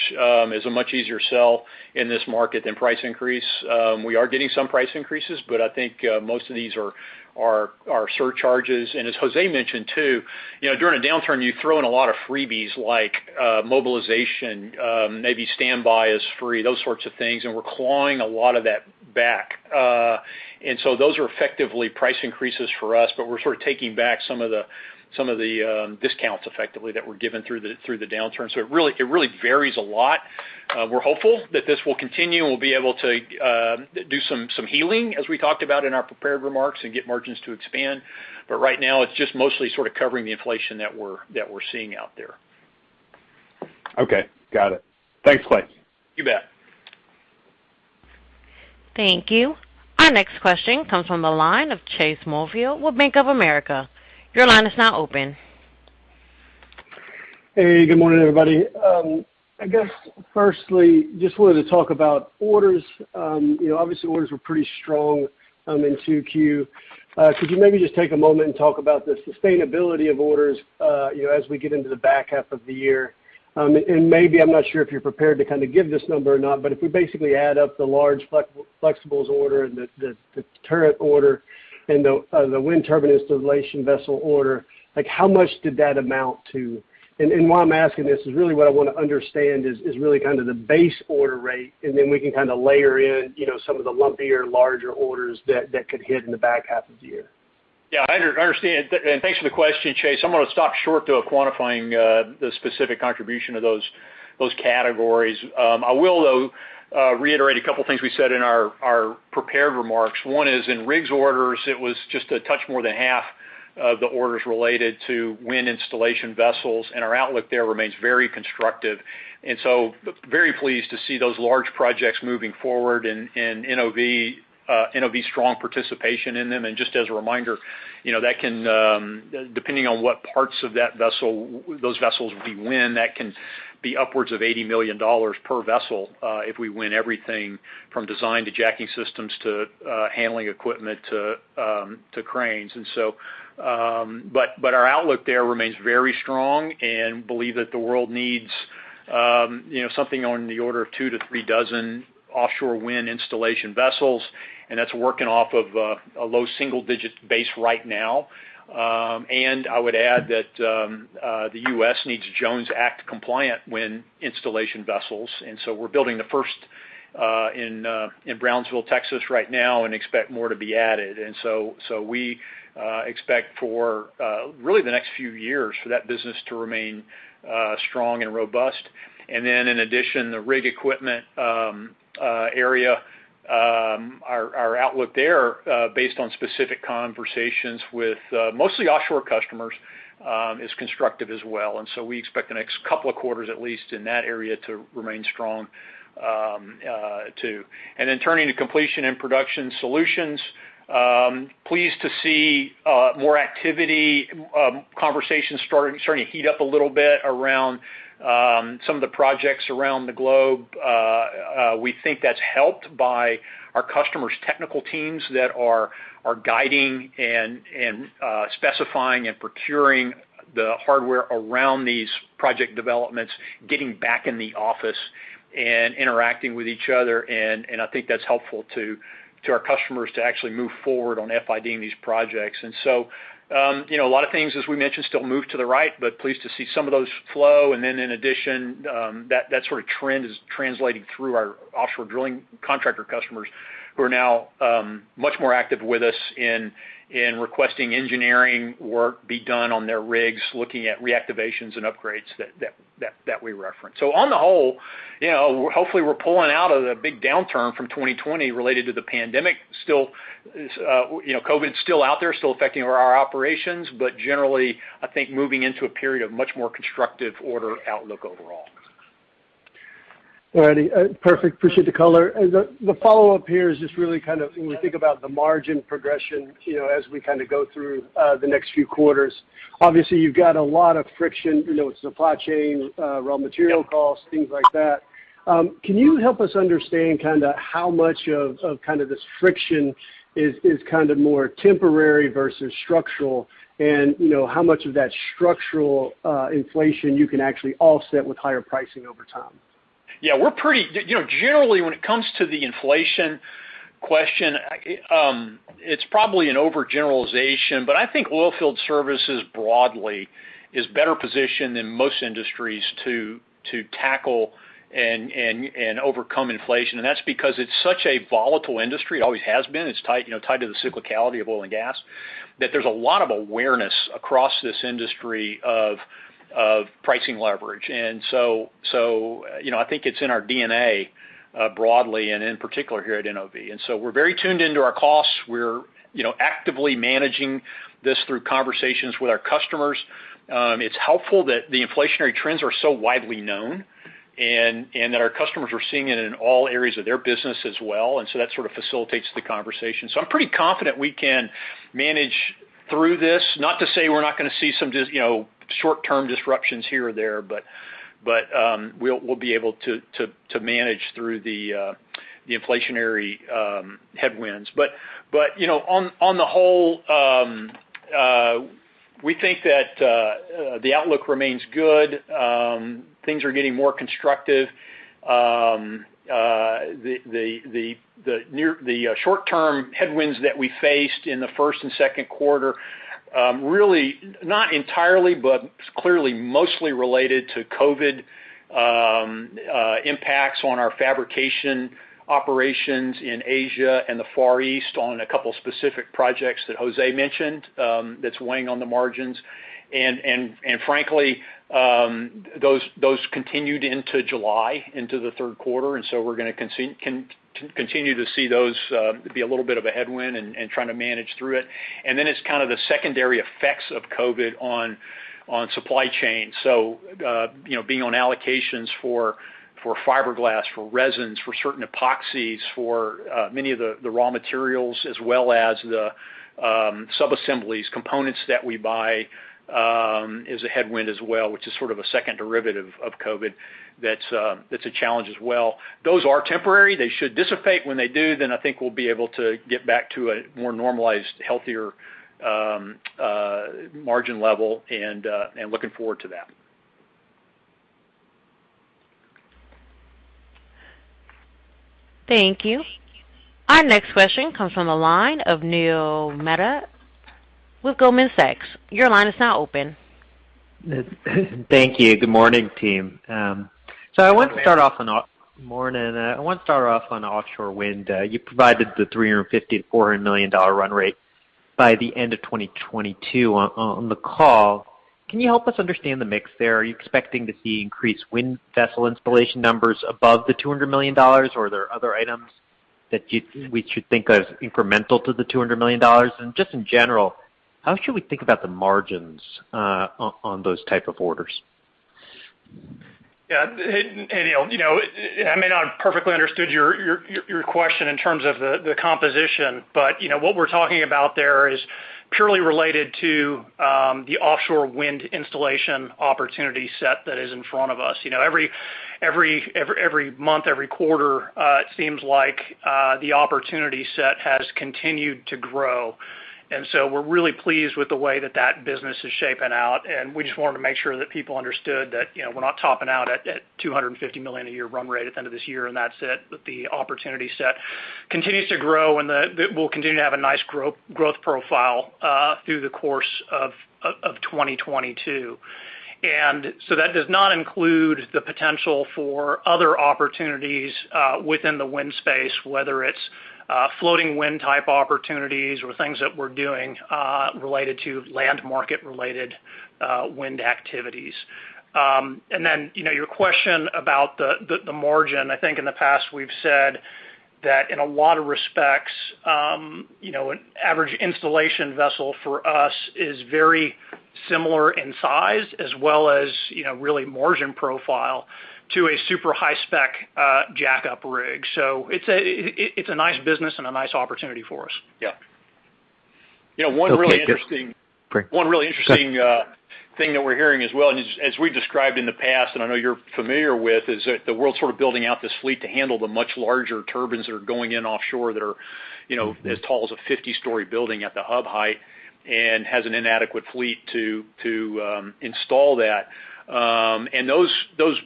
is a much easier sell in this market than price increase. We are getting some price increases. I think most of these are surcharges. As Jose mentioned, too, during a downturn, you throw in a lot of freebies like mobilization, maybe standby is free, those sorts of things, and we're clawing a lot of that back. Those are effectively price increases for us, but we're sort of taking back some of the discounts effectively that were given through the downturn. It really varies a lot. We're hopeful that this will continue, we'll be able to do some healing as we talked about in our prepared remarks and get margins to expand. Right now, it's just mostly sort of covering the inflation that we're seeing out there. Okay. Got it. Thanks, Clay. You bet. Thank you. Our next question comes from the line of Chase Mulvehill with Bank of America. Your line is now open. Hey, good morning, everybody. I guess firstly, just wanted to talk about orders. Obviously orders were pretty strong in 2Q. Could you maybe just take a moment and talk about the sustainability of orders as we get into the back half of the year? Maybe, I'm not sure if you're prepared to kind of give this number or not, but if we basically add up the large flexibles order and the turret order and the wind turbine installation vessel order, how much did that amount to? Why I'm asking this is really what I want to understand is really kind of the base order rate, then we can kind of layer in some of the lumpier, larger orders that could hit in the back half of the year. Yeah, I understand. Thanks for the question, Chase. I'm going to stop short, though, of quantifying the specific contribution of those categories. I will, though, reiterate a couple of things we said in our prepared remarks. One is in rigs orders, it was just a touch more than half of the orders related to wind installation vessels, and our outlook there remains very constructive. Very pleased to see those large projects moving forward and NOV strong participation in them. Just as a reminder, depending on what parts of those vessels will be wind, that can be upwards of $80 million per vessel, if we win everything from design to jacking systems, to handling equipment, to cranes. Our outlook there remains very strong and believe that the world needs. Something on the order of two to three dozen offshore wind installation vessels, and that's working off of a low single-digit base right now. I would add that the U.S. needs Jones Act-compliant wind installation vessels. We're building the first in Brownsville, Texas, right now and expect more to be added. We expect for really the next few years for that business to remain strong and robust. In addition, the rig equipment area, our outlook there, based on specific conversations with mostly offshore customers, is constructive as well. We expect the next couple of quarters, at least in that area, to remain strong too. Turning to Completion & Production Solutions, pleased to see more activity, conversations starting to heat up a little bit around some of the projects around the globe. We think that's helped by our customers' technical teams that are guiding and specifying and procuring the hardware around these project developments, getting back in the office and interacting with each other. I think that's helpful to our customers to actually move forward on FID-ing these projects. A lot of things, as we mentioned, still move to the right, but pleased to see some of those flow. In addition, that sort of trend is translating through our offshore drilling contractor customers who are now much more active with us in requesting engineering work be done on their rigs, looking at reactivations and upgrades that we referenced. On the whole, hopefully we're pulling out of the big downturn from 2020 related to the pandemic. COVID's still out there, still affecting our operations, but generally, I think moving into a period of much more constructive order outlook overall. All righty. Perfect. Appreciate the color. The follow-up here is just really kind of when we think about the margin progression as we go through the next few quarters. Obviously, you've got a lot of friction with supply chain, raw material costs, things like that. Can you help us understand how much of this friction is more temporary versus structural? How much of that structural inflation you can actually offset with higher pricing over time? Yeah. Generally, when it comes to the inflation question, it's probably an overgeneralization, I think oilfield services broadly is better positioned than most industries to tackle and overcome inflation. That's because it's such a volatile industry, it always has been, it's tied to the cyclicality of oil and gas, that there's a lot of awareness across this industry of pricing leverage. I think it's in our DNA broadly, and in particular here at NOV. We're very tuned into our costs, we're actively managing this through conversations with our customers. It's helpful that the inflationary trends are so widely known and that our customers are seeing it in all areas of their business as well. That sort of facilitates the conversation. I'm pretty confident we can manage through this. Not to say we're not going to see some short-term disruptions here or there, but we'll be able to manage through the inflationary headwinds. On the whole, we think that the outlook remains good. Things are getting more constructive. The short-term headwinds that we faced in the first and second quarter, really not entirely, but clearly mostly related to COVID impacts on our fabrication operations in Asia and the Far East on a couple specific projects that Jose mentioned, that's weighing on the margins. Frankly, those continued into July, into the third quarter, so we're going to continue to see those be a little bit of a headwind and trying to manage through it. Then it's kind of the secondary effects of COVID on supply chain. Being on allocations for fiberglass, for resins, for certain epoxies, for many of the raw materials as well as the subassemblies, components that we buy, is a headwind as well, which is sort of a second derivative of COVID. That's a challenge as well. Those are temporary, they should dissipate. When they do, I think we'll be able to get back to a more normalized, healthier margin level and looking forward to that. Thank you. Our next question comes from the line of Neil Mehta with Goldman Sachs. Your line is now open. Thank you. Good morning, team? Good morning. I want to start off on offshore wind. You provided the $350 million-$400 million run rate by the end of 2022 on the call. Can you help us understand the mix there? Are you expecting to see increased wind vessel installation numbers above the $200 million, or are there other items that we should think of as incremental to the $200 million? Just in general, how should we think about the margins on those type of orders? Yeah. Hey, Neil. I may not have perfectly understood your question in terms of the composition, but what we're talking about there is purely related to the offshore wind installation opportunity set that is in front of us. Every month, every quarter, it seems like the opportunity set has continued to grow. We're really pleased with the way that business is shaping out, and we just wanted to make sure that people understood that we're not topping out at $250 million a year run rate at the end of this year, and that's it. The opportunity set continues to grow, and that we'll continue to have a nice growth profile through the course of 2022. That does not include the potential for other opportunities within the wind space, whether it's floating wind type opportunities or things that we're doing related to land market related wind activities. Your question about the margin. I think in the past we've said that in a lot of respects, an average installation vessel for us is very similar in size as well as really margin profile to a super high-spec jackup rig. It's a nice business and a nice opportunity for us. Yeah. Okay, great. One really interesting thing that we're hearing as well, and as we described in the past, and I know you're familiar with, is that the world's sort of building out this fleet to handle the much larger turbines that are going in offshore that are as tall as a 50-story building at the hub height and has an inadequate fleet to install that. Those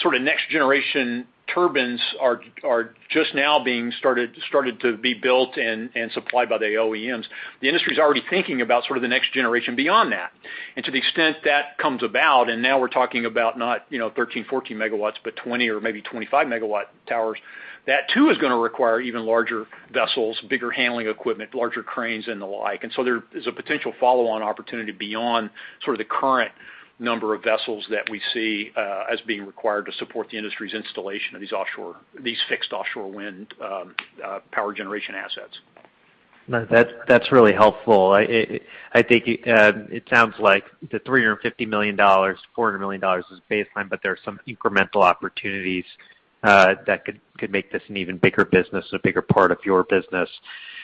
sort of next-generation turbines are just now starting to be built and supplied by the OEMs. The industry's already thinking about sort of the next generation beyond that. To the extent that comes about, and now we're talking about not 13, 14 MW, but 20 or maybe 25 MW towers. That too is going to require even larger vessels, bigger handling equipment, larger cranes, and the like. There is a potential follow-on opportunity beyond sort of the current number of vessels that we see as being required to support the industry's installation of these fixed offshore wind power generation assets. That's really helpful. I think it sounds like the $350 million, $400 million is baseline, but there are some incremental opportunities that could make this an even bigger business, a bigger part of your business.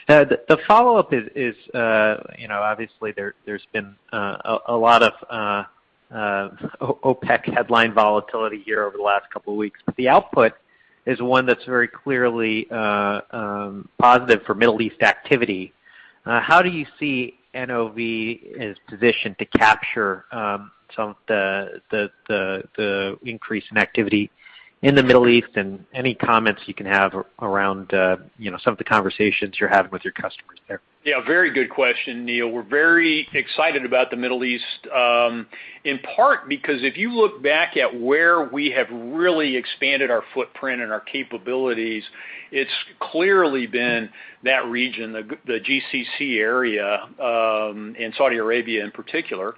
The follow-up is obviously there's been a lot of OPEC headline volatility here over the last couple of weeks, but the output is one that's very clearly positive for Middle East activity. How do you see NOV is positioned to capture some of the increase in activity in the Middle East and any comments you can have around some of the conversations you're having with your customers there? Very good question, Neil. We're very excited about the Middle East. In part because if you look back at where we have really expanded our footprint and our capabilities, it's clearly been that region, the GCC area, and Saudi Arabia in particular.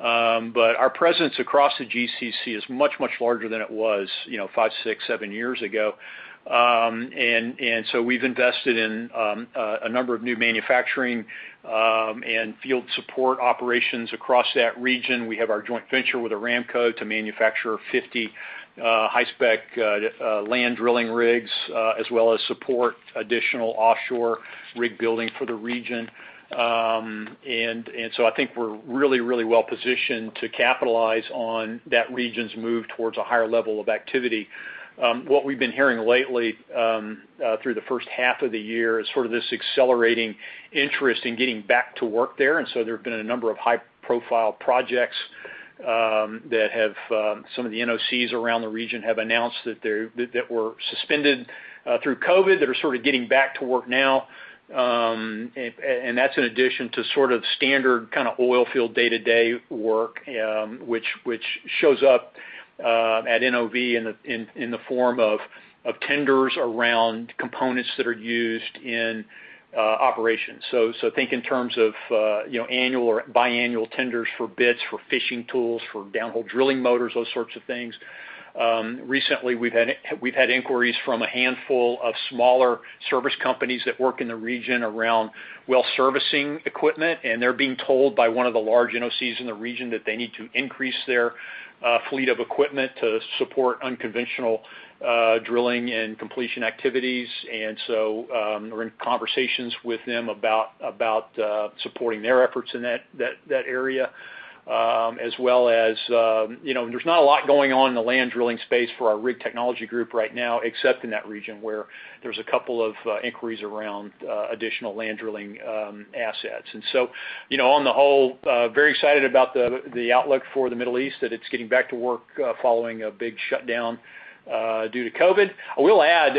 Our presence across the GCC is much, much larger than it was five, six, seven years ago. We've invested in a number of new manufacturing and field support operations across that region. We have our joint venture with Aramco to manufacture 50 high-spec land drilling rigs as well as support additional offshore rig building for the region. I think we're really, really well-positioned to capitalize on that region's move towards a higher level of activity. What we've been hearing lately through the first half of the year is sort of this accelerating interest in getting back to work there. There have been a number of high-profile projects that some of the NOCs around the region have announced that were suspended through COVID, that are sort of getting back to work now. That's in addition to sort of standard kind of oil field day-to-day work which shows up at NOV in the form of tenders around components that are used in operations. Think in terms of annual or biannual tenders for bits, for fishing tools, for downhole drilling motors, those sorts of things. Recently we've had inquiries from a handful of smaller service companies that work in the region around well servicing equipment, and they're being told by one of the large NOCs in the region that they need to increase their fleet of equipment to support unconventional drilling and completion activities. We're in conversations with them about supporting their efforts in that area. As well as there's not a lot going on in the land drilling space for our Rig Technologies group right now except in that region where there's a couple of inquiries around additional land drilling assets. On the whole, very excited about the outlook for the Middle East that it's getting back to work following a big shutdown due to COVID. I will add,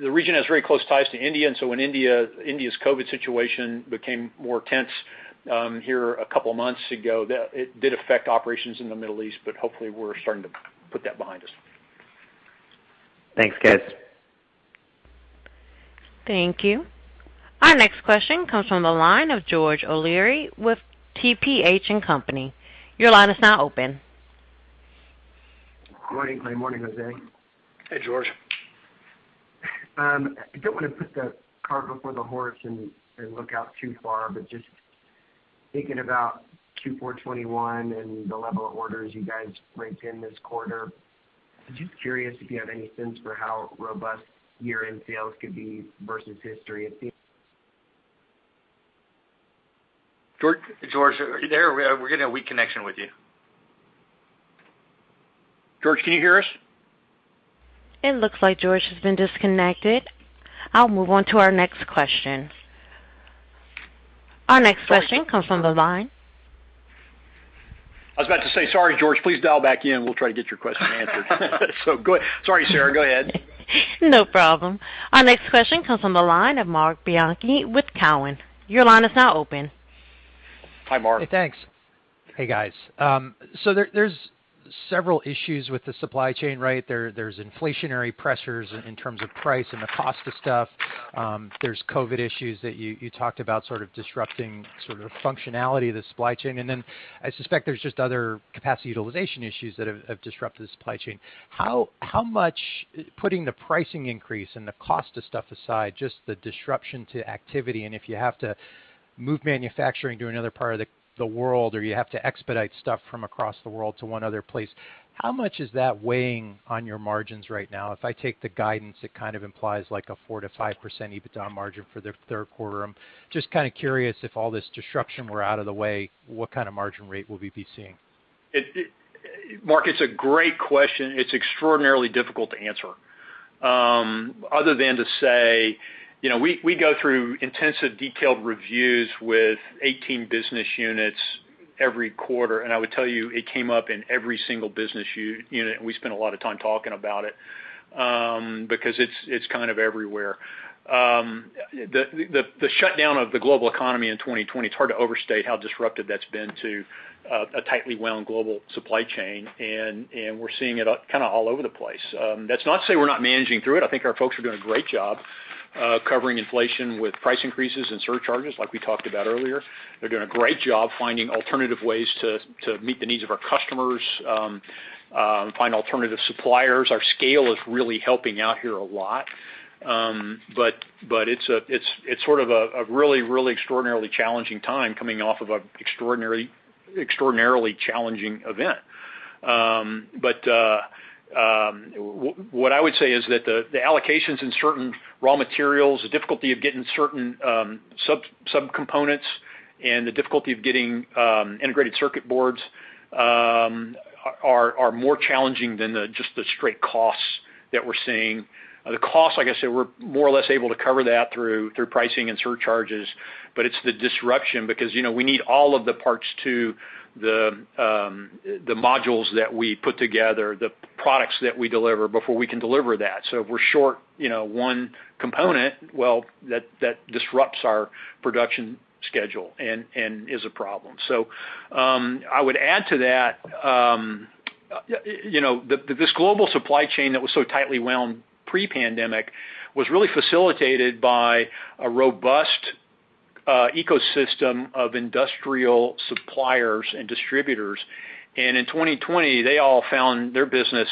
the region has very close ties to India and so when India's COVID situation became more tense here a couple of months ago, it did affect operations in the Middle East but hopefully we're starting to put that behind us. Thanks guys. Thank you. Our next question comes from the line of George O'Leary with TPH & Company. Your line is now open. Good morning, Clay? Morning, Jose? Hey, George? I don't want to put the cart before the horse and look out too far, but just thinking about Q4 2021 and the level of orders you guys raked in this quarter. I'm just curious if you have any sense for how robust year-end sales could be versus history. It seems George, are you there? We're getting a weak connection with you. George, can you hear us? It looks like George has been disconnected. I'll move on to our next question. Our next question comes from the line. I was about to say, sorry, George, please dial back in. We'll try to get your question answered. Sorry, Sarah. Go ahead. No problem. Our next question comes from the line of Marc Bianchi with Cowen. Your line is now open. Hi, Marc? Hey, thanks. Hey, guys. There's several issues with the supply chain, right? There's inflationary pressures in terms of price and the cost of stuff. There's COVID issues that you talked about sort of disrupting sort of functionality of the supply chain. I suspect there's just other capacity utilization issues that have disrupted the supply chain. Putting the pricing increase and the cost of stuff aside, just the disruption to activity, and if you have to move manufacturing to another part of the world, or you have to expedite stuff from across the world to one other place, how much is that weighing on your margins right now? If I take the guidance, it kind of implies like a 4%-5% EBITDA margin for the third quarter. I'm just kind of curious if all this disruption were out of the way, what kind of margin rate will we be seeing? Marc, it's a great question. It's extraordinarily difficult to answer. Other than to say, we go through intensive detailed reviews with 18 business units every quarter. I would tell you, it came up in every single business unit. We spent a lot of time talking about it, because it's kind of everywhere. The shutdown of the global economy in 2020, it's hard to overstate how disruptive that's been to a tightly wound global supply chain. We're seeing it kind of all over the place. That's not to say we're not managing through it. I think our folks are doing a great job covering inflation with price increases and surcharges like we talked about earlier. They're doing a great job finding alternative ways to meet the needs of our customers, find alternative suppliers. Our scale is really helping out here a lot. It's sort of a really extraordinarily challenging time coming off of an extraordinarily challenging event. What I would say is that the allocations in certain raw materials, the difficulty of getting certain sub-components, and the difficulty of getting integrated circuit boards, are more challenging than just the straight costs that we're seeing. The costs, like I said, we're more or less able to cover that through pricing and surcharges, but it's the disruption because we need all of the parts to the modules that we put together, the products that we deliver before we can deliver that. If we're short one component, that disrupts our production schedule and is a problem. I would add to that, this global supply chain that was so tightly wound pre-pandemic was really facilitated by a robust ecosystem of industrial suppliers and distributors. In 2020, they all found their business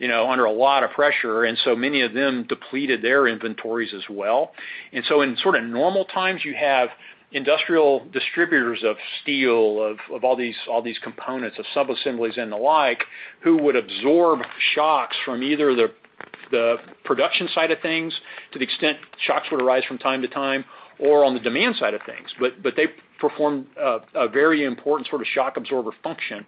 under a lot of pressure, and so many of them depleted their inventories as well. In sort of normal times, you have industrial distributors of steel, of all these components, of sub-assemblies and the like, who would absorb shocks from either the production side of things to the extent shocks would arise from time to time, or on the demand side of things. They performed a very important sort of shock absorber function.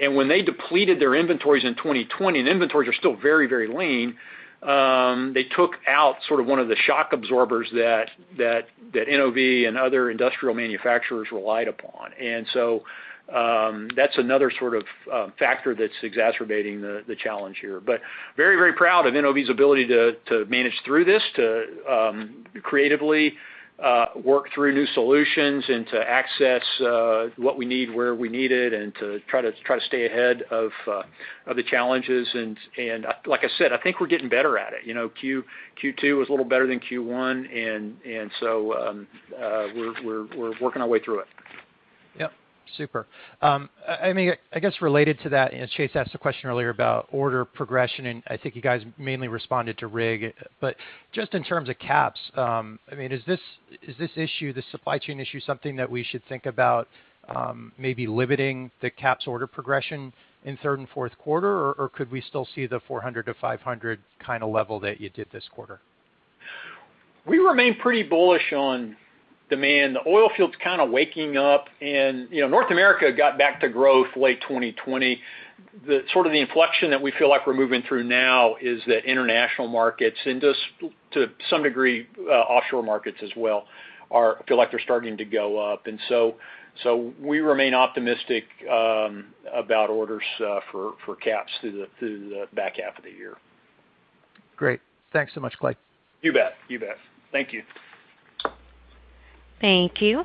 When they depleted their inventories in 2020, and inventories are still very lean, they took out sort of one of the shock absorbers that NOV and other industrial manufacturers relied upon. That's another sort of factor that's exacerbating the challenge here. Very proud of NOV's ability to manage through this, to creatively work through new solutions and to access what we need where we need it, and to try to stay ahead of the challenges. Like I said, I think we're getting better at it. Q2 was a little better than Q1, we're working our way through it. Yep. Super. I guess related to that, Chase asked a question earlier about order progression, and I think you guys mainly responded to rig. Just in terms of CAPS, is this supply chain issue something that we should think about maybe limiting the CAPS order progression in third and fourth quarter, or could we still see the $400-$500 kind of level that you did this quarter? We remain pretty bullish on demand, the oilfield's kind of waking up, and North America got back to growth late 2020. The sort of the inflection that we feel like we're moving through now is that international markets and just to some degree, offshore markets as well, feel like they're starting to go up. We remain optimistic about orders for CAPS through the back half of the year. Great. Thanks so much, Clay. You bet. Thank you. Thank you.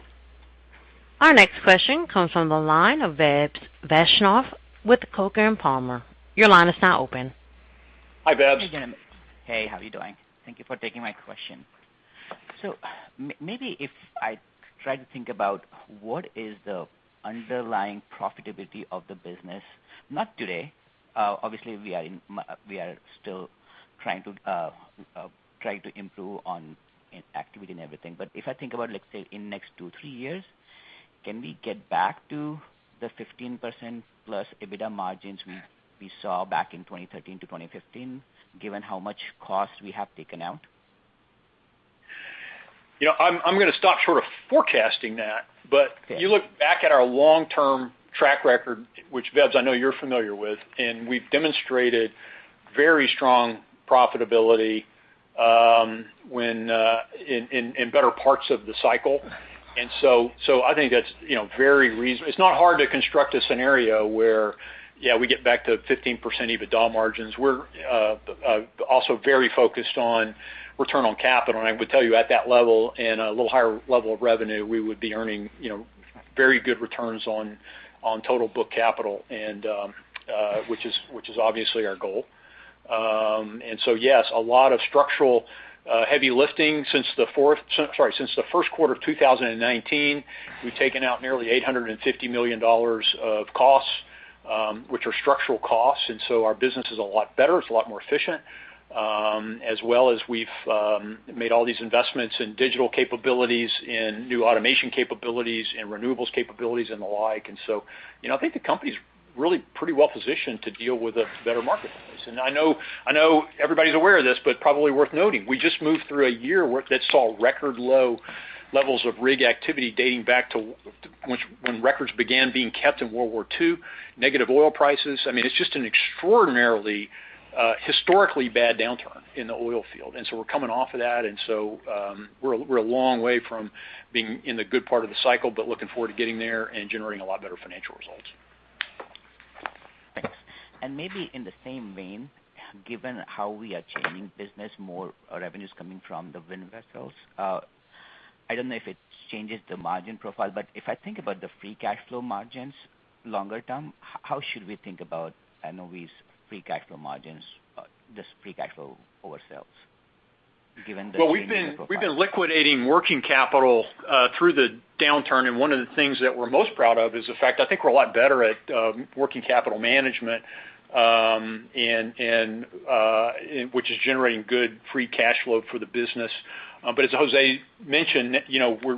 Our next question comes from the line of Vebs Vaishnav with Coker & Palmer. Your line is now open. Hi, Vebs? Hey, gentlemen. Hey, how are you doing? Thank you for taking my question. Maybe if I try to think about what is the underlying profitability of the business, not today, obviously we are still trying to improve on activity and everything, but if I think about, let's say in next two, three years, can we get back to the 15%+ EBITDA margins we saw back in 2013-2015, given how much cost we have taken out? I'm going to stop short of forecasting that. You look back at our long-term track record, which Vebs, I know you're familiar with, we've demonstrated very strong profitability in better parts of the cycle. I think that's very reasonable. It's not hard to construct a scenario where, yeah, we get back to 15% EBITDA margins. We're also very focused on return on capital, I would tell you at that level and a little higher level of revenue, we would be earning very good returns on total book capital, which is obviously our goal. Yes, a lot of structural heavy lifting since the first quarter of 2019. We've taken out nearly $850 million of costs, which are structural costs. Our business is a lot better, it's a lot more efficient. As well as we've made all these investments in digital capabilities, in new automation capabilities, in renewables capabilities and the like. I think the company's really pretty well-positioned to deal with a better marketplace. I know everybody's aware of this, but probably worth noting, we just moved through a year that saw record low levels of rig activity dating back to when records began being kept in World War II, negative oil prices. It's just an extraordinarily historically bad downturn in the oilfield. We're coming off of that, and so we're a long way from being in the good part of the cycle, but looking forward to getting there and generating a lot better financial results. Thanks. Maybe in the same lane, given how we are changing business, more revenues coming from the wind vessels. I don't know if it changes the margin profile, but if I think about the free cash flow margins longer term, how should we think about NOV's free cash flow margins, just free cash flow over sales? Well, we've been liquidating working capital through the downturn, and one of the things that we're most proud of is the fact I think we're a lot better at working capital management, which is generating good free cash flow for the business. As Jose mentioned,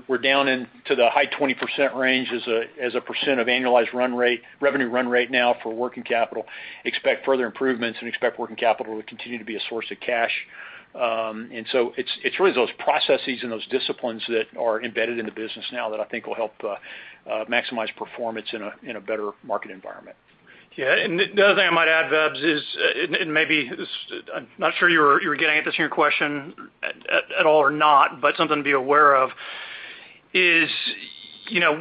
we're down into the high 20% range as a percent of annualized revenue run rate now for working capital. Expect further improvements and expect working capital to continue to be a source of cash. It's really those processes and those disciplines that are embedded in the business now that I think will help maximize performance in a better market environment. Yeah, the other thing I might add, Vebs, is, and maybe I'm not sure you were getting at this in your question at all or not, but something to be aware of is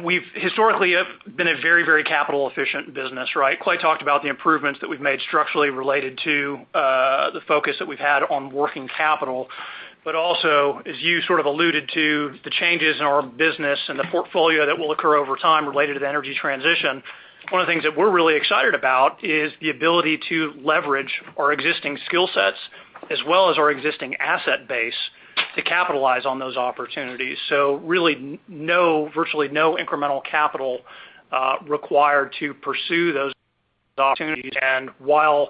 we've historically been a very capital-efficient business, right? Clay talked about the improvements that we've made structurally related to the focus that we've had on working capital. Also, as you sort of alluded to, the changes in our business and the portfolio that will occur over time related to the energy transition. One of the things that we're really excited about is the ability to leverage our existing skill sets as well as our existing asset base to capitalize on those opportunities. Really, virtually no incremental capital required to pursue those opportunities. While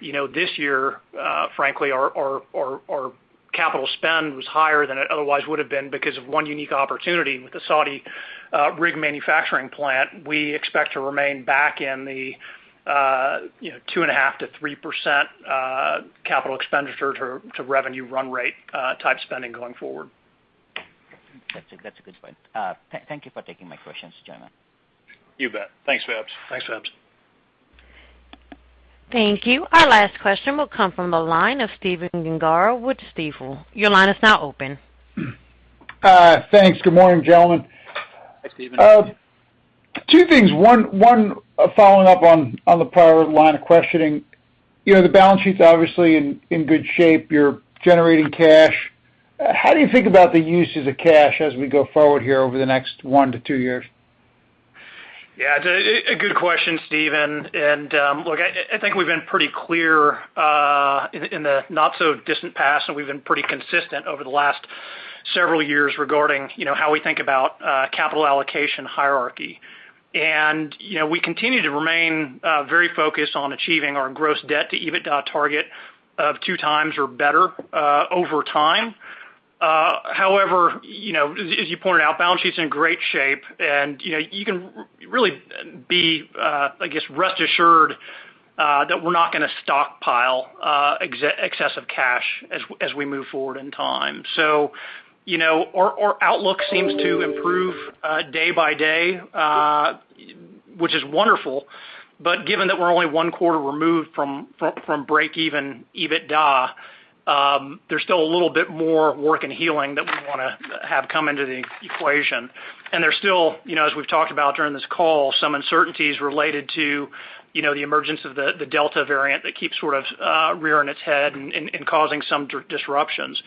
this year, frankly, our capital spend was higher than it otherwise would have been because of one unique opportunity with the Saudi rig manufacturing plant, we expect to remain back in the 2.5%-3% capital expenditure to revenue run rate type spending going forward. That's a good point. Thank you for taking my questions, gentlemen. You bet. Thanks, Vebs. Thanks, Vebs. Thank you. Our last question will come from the line of Stephen Gengaro with Stifel. Your line is now open. Thanks. Good morning, gentlemen? Hi, Stephen. Two things. One, following up on the prior line of questioning. The balance sheet's obviously in good shape. You're generating cash. How do you think about the uses of cash as we go forward here over the next one to two years? Yeah, a good question, Stephen. Look, I think we've been pretty clear in the not-so-distant past, and we've been pretty consistent over the last several years regarding how we think about capital allocation hierarchy. We continue to remain very focused on achieving our gross debt to EBITDA target of 2x or better over time. However, as you pointed out, balance sheet's in great shape, and you can really be rest assured that we're not going to stockpile excessive cash as we move forward in time. Our outlook seems to improve day by day, which is wonderful. Given that we're only one quarter removed from break-even EBITDA, there's still a little bit more work and healing that we want to have come into the equation. There's still, as we've talked about during this call, some uncertainties related to the emergence of the Delta variant that keeps sort of rearing its head and causing some disruptions.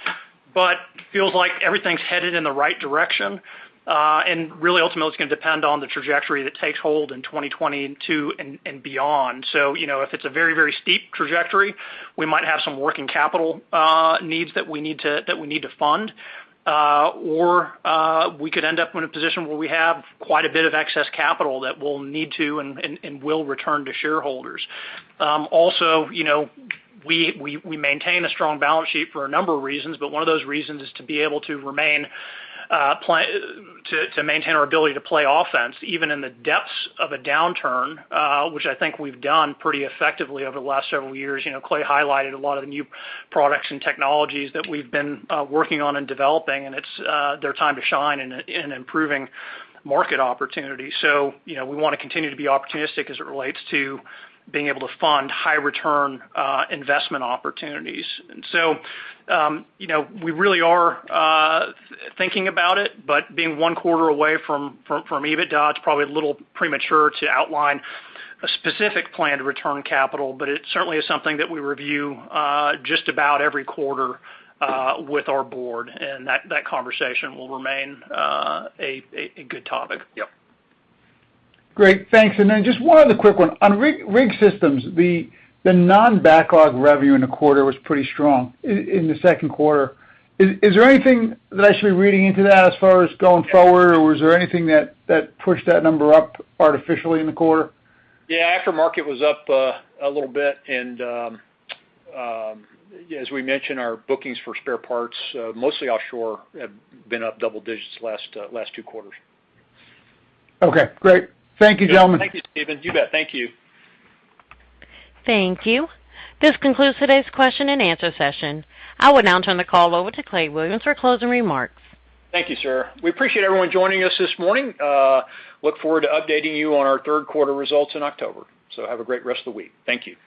Feels like everything's headed in the right direction. Really, ultimately, it's going to depend on the trajectory that takes hold in 2022 and beyond. If it's a very steep trajectory, we might have some working capital needs that we need to fund. We could end up in a position where we have quite a bit of excess capital that we'll need to and will return to shareholders. We maintain a strong balance sheet for a number of reasons, but one of those reasons is to be able to maintain our ability to play offense, even in the depths of a downturn, which I think we've done pretty effectively over the last several years. Clay highlighted a lot of the new products and technologies that we've been working on and developing, and it's their time to shine in improving market opportunities. We want to continue to be opportunistic as it relates to being able to fund high return investment opportunities. We really are thinking about it, but being one quarter away from EBITDA, it's probably a little premature to outline a specific plan to return capital, but it certainly is something that we review just about every quarter with our board, and that conversation will remain a good topic. Yep. Great. Thanks. Just one other quick one. On Rig Technologies, the non-backlog revenue in the quarter was pretty strong in the second quarter. Is there anything that I should be reading into that as far as going forward? Was there anything that pushed that number up artificially in the quarter? Yeah. Aftermarket was up a little bit. As we mentioned, our bookings for spare parts, mostly offshore, have been up double digits the last two quarters. Okay, great. Thank you, gentlemen. Thank you, Stephen. You bet. Thank you. Thank you. This concludes today's question and answer session. I will now turn the call over to Clay Williams for closing remarks. Thank you, Sarah. We appreciate everyone joining us this morning. Look forward to updating you on our third quarter results in October. Have a great rest of the week. Thank you.